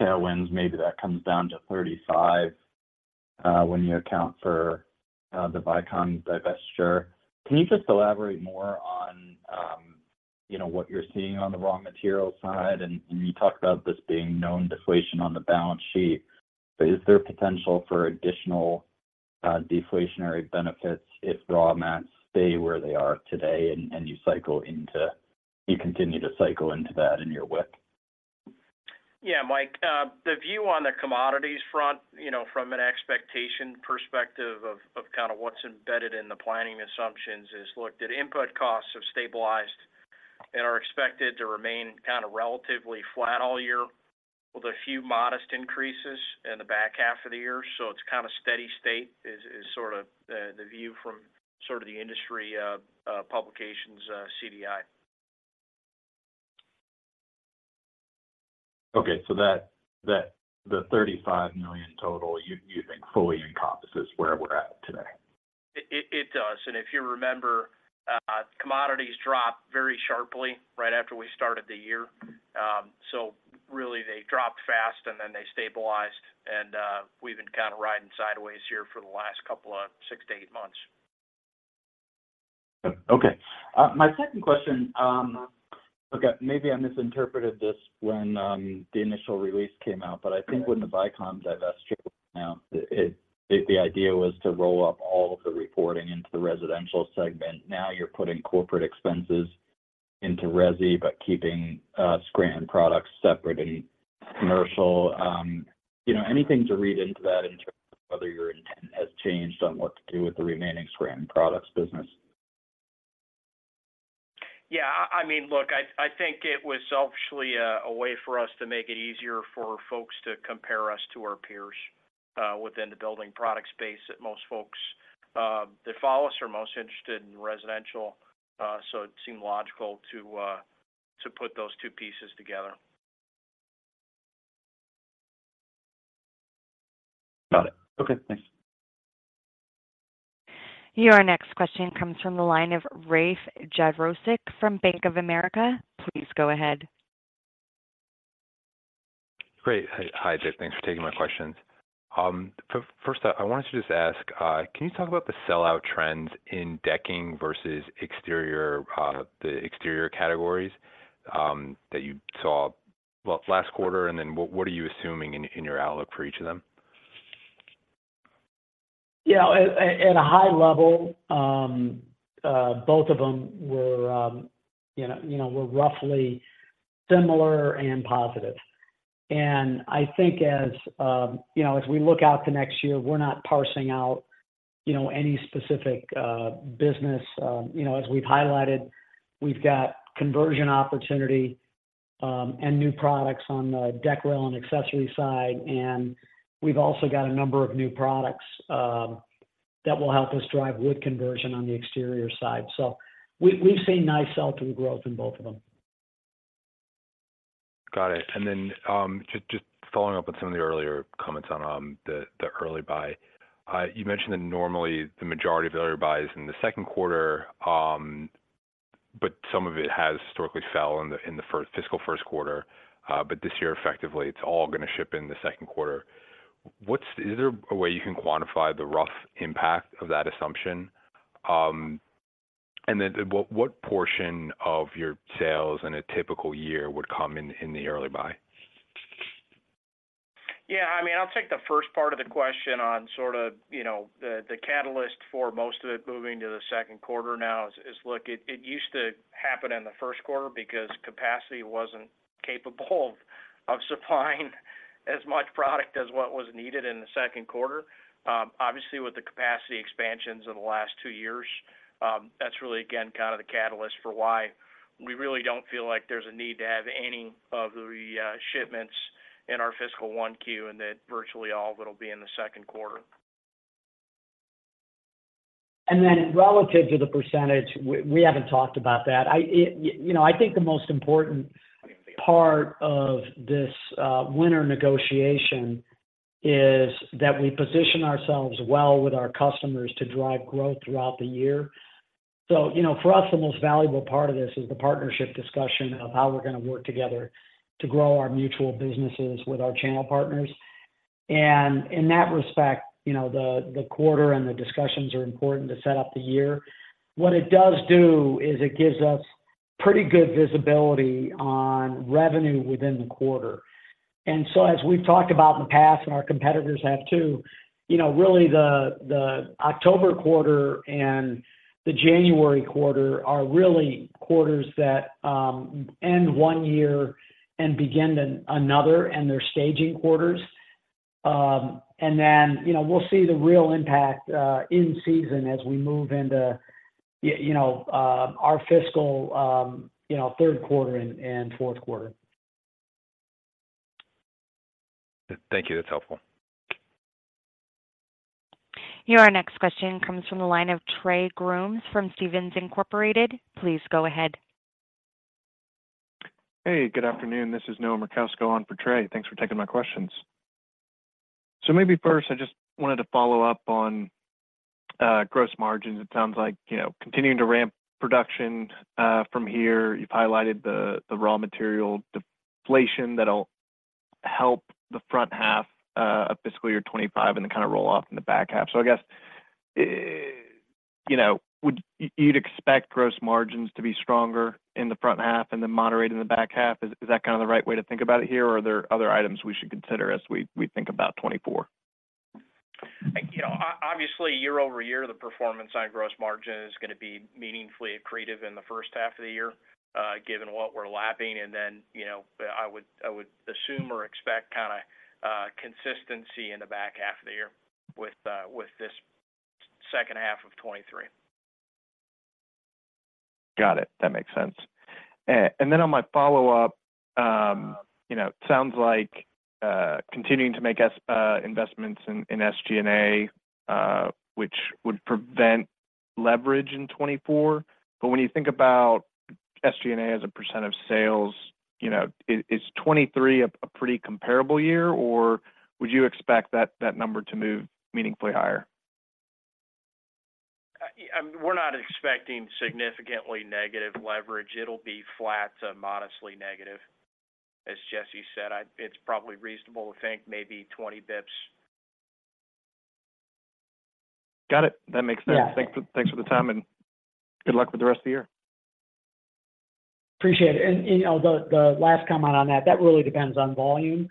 tailwinds, maybe that comes down to $35 million, when you account for the Vycom divestiture. Can you just elaborate more on, you know, what you're seeing on the raw material side? And you talked about this being known deflation on the balance sheet. But is there potential for additional deflationary benefits if raw mats stay where they are today and you cycle into - you continue to cycle into that in your WAC? Yeah, Mike. The view on the commodities front, you know, from an expectation perspective of kind of what's embedded in the planning assumptions, is looked at input costs have stabilized and are expected to remain kind of relatively flat all year, with a few modest increases in the back half of the year. So it's kind of steady state, sort of the view from sort of the industry publications, CDI. Okay. So that the $35 million total, you think fully encompasses where we're at today? It does. And if you remember, commodities dropped very sharply right after we started the year. So really, they dropped fast, and then they stabilized, and we've been kind of riding sideways here for the last couple of 6-8 months. Okay. My second question, okay, maybe I misinterpreted this when the initial release came out, but I think when the Vycom divestiture announced, it-- the idea was to roll up all of the reporting into the residential segment. Now, you're putting corporate expenses into resi, but keeping Scranton Products separate and commercial. You know, anything to read into that in terms of whether your intent has changed on what to do with the remaining Scranton Products business? Yeah, I mean, look, I think it was actually a way for us to make it easier for folks to compare us to our peers within the building product space, that most folks that follow us are most interested in residential. So it seemed logical to put those two pieces together. Got it. Okay, thanks. Your next question comes from the line of Rafe Jadrosich from Bank of America. Please go ahead. Great. Hi, hi, Jeff. Thanks for taking my questions. First up, I wanted to just ask, can you talk about the sellout trends in decking versus exterior, the exterior categories, that you saw, well, last quarter, and then what, what are you assuming in, in your outlook for each of them? ... Yeah, at a high level, both of them were, you know, roughly similar and positive. And I think as, you know, as we look out the next year, we're not parsing out, you know, any specific business. You know, as we've highlighted, we've got conversion opportunity, and new products on the deck rail and accessory side, and we've also got a number of new products that will help us drive wood conversion on the exterior side. So we've seen nice sell-through growth in both of them. Got it. And then, just following up with some of the earlier comments on the early buy. You mentioned that normally the majority of the early buy is in the Q2, but some of it has historically fell in the fiscal Q1. But this year, effectively, it's all gonna ship in the Q2. Is there a way you can quantify the rough impact of that assumption? And then what portion of your sales in a typical year would come in the early buy? Yeah, I mean, I'll take the first part of the question on sorta, you know, the catalyst for most of it moving to the Q2 now is... Look, it used to happen in the Q1 because capacity wasn't capable of supplying as much product as what was needed in the Q2. Obviously, with the capacity expansions of the last two years, that's really, again, kind of the catalyst for why we really don't feel like there's a need to have any of the shipments in our fiscal 1Q, and that virtually all of it will be in the Q2. And then relative to the percentage, we haven't talked about that. You know, I think the most important part of this winter negotiation is that we position ourselves well with our customers to drive growth throughout the year. So, you know, for us, the most valuable part of this is the partnership discussion of how we're gonna work together to grow our mutual businesses with our channel partners. And in that respect, you know, the quarter and the discussions are important to set up the year. What it does do is it gives us pretty good visibility on revenue within the quarter. And so, as we've talked about in the past, and our competitors have too, you know, really, the October quarter and the January quarter are really quarters that end one year and begin another, and they're staging quarters. And then, you know, we'll see the real impact in season as we move into you know, our fiscal you know, Q3 and Q4. Thank you. That's helpful. Your next question comes from the line of Trey Grooms from Stephens Incorporated. Please go ahead. Hey, good afternoon. This is Noah Merkousko on for Trey. Thanks for taking my questions. So maybe first, I just wanted to follow up on gross margins. It sounds like, you know, continuing to ramp production from here, you've highlighted the raw material deflation that'll help the front half of fiscal year 2025 and then kinda roll off in the back half. So I guess, you know, would you expect gross margins to be stronger in the front half and then moderate in the back half? Is that kinda the right way to think about it here, or are there other items we should consider as we think about 2024? You know, obviously, year-over-year, the performance on gross margin is gonna be meaningfully accretive in the first half of the year, given what we're lapping. And then, you know, I would assume or expect kinda consistency in the back half of the year with this second half of 2023. Got it. That makes sense. And then on my follow-up, you know, it sounds like continuing to make investments in SG&A, which would prevent leverage in 2024. But when you think about SG&A as a percent of sales, you know, is 2023 a pretty comparable year, or would you expect that number to move meaningfully higher? We're not expecting significantly negative leverage. It'll be flat to modestly negative. As Jesse said, it's probably reasonable to think maybe 20 basis points. Got it. That makes sense. Yeah. Thanks for the time, and good luck with the rest of the year. Appreciate it. And you know, the last comment on that really depends on volume.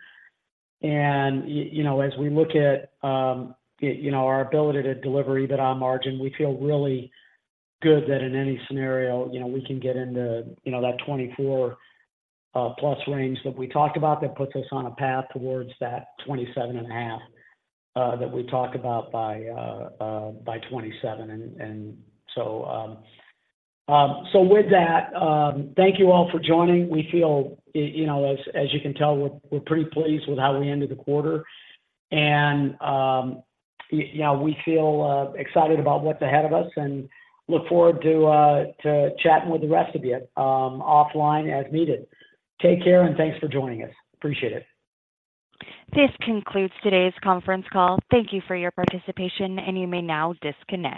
And you know, as we look at you know, our ability to deliver EBITDA margin, we feel really good that in any scenario, you know, we can get into you know, that 24 plus range that we talked about, that puts us on a path towards that 27.5 that we talked about by 2027. And so, So with that, thank you all for joining. We feel you know, as you can tell, we're pretty pleased with how we ended the quarter. And you know, we feel excited about what's ahead of us and look forward to chatting with the rest of you offline as needed. Take care, and thanks for joining us. Appreciate it. This concludes today's conference call. Thank you for your participation, and you may now disconnect.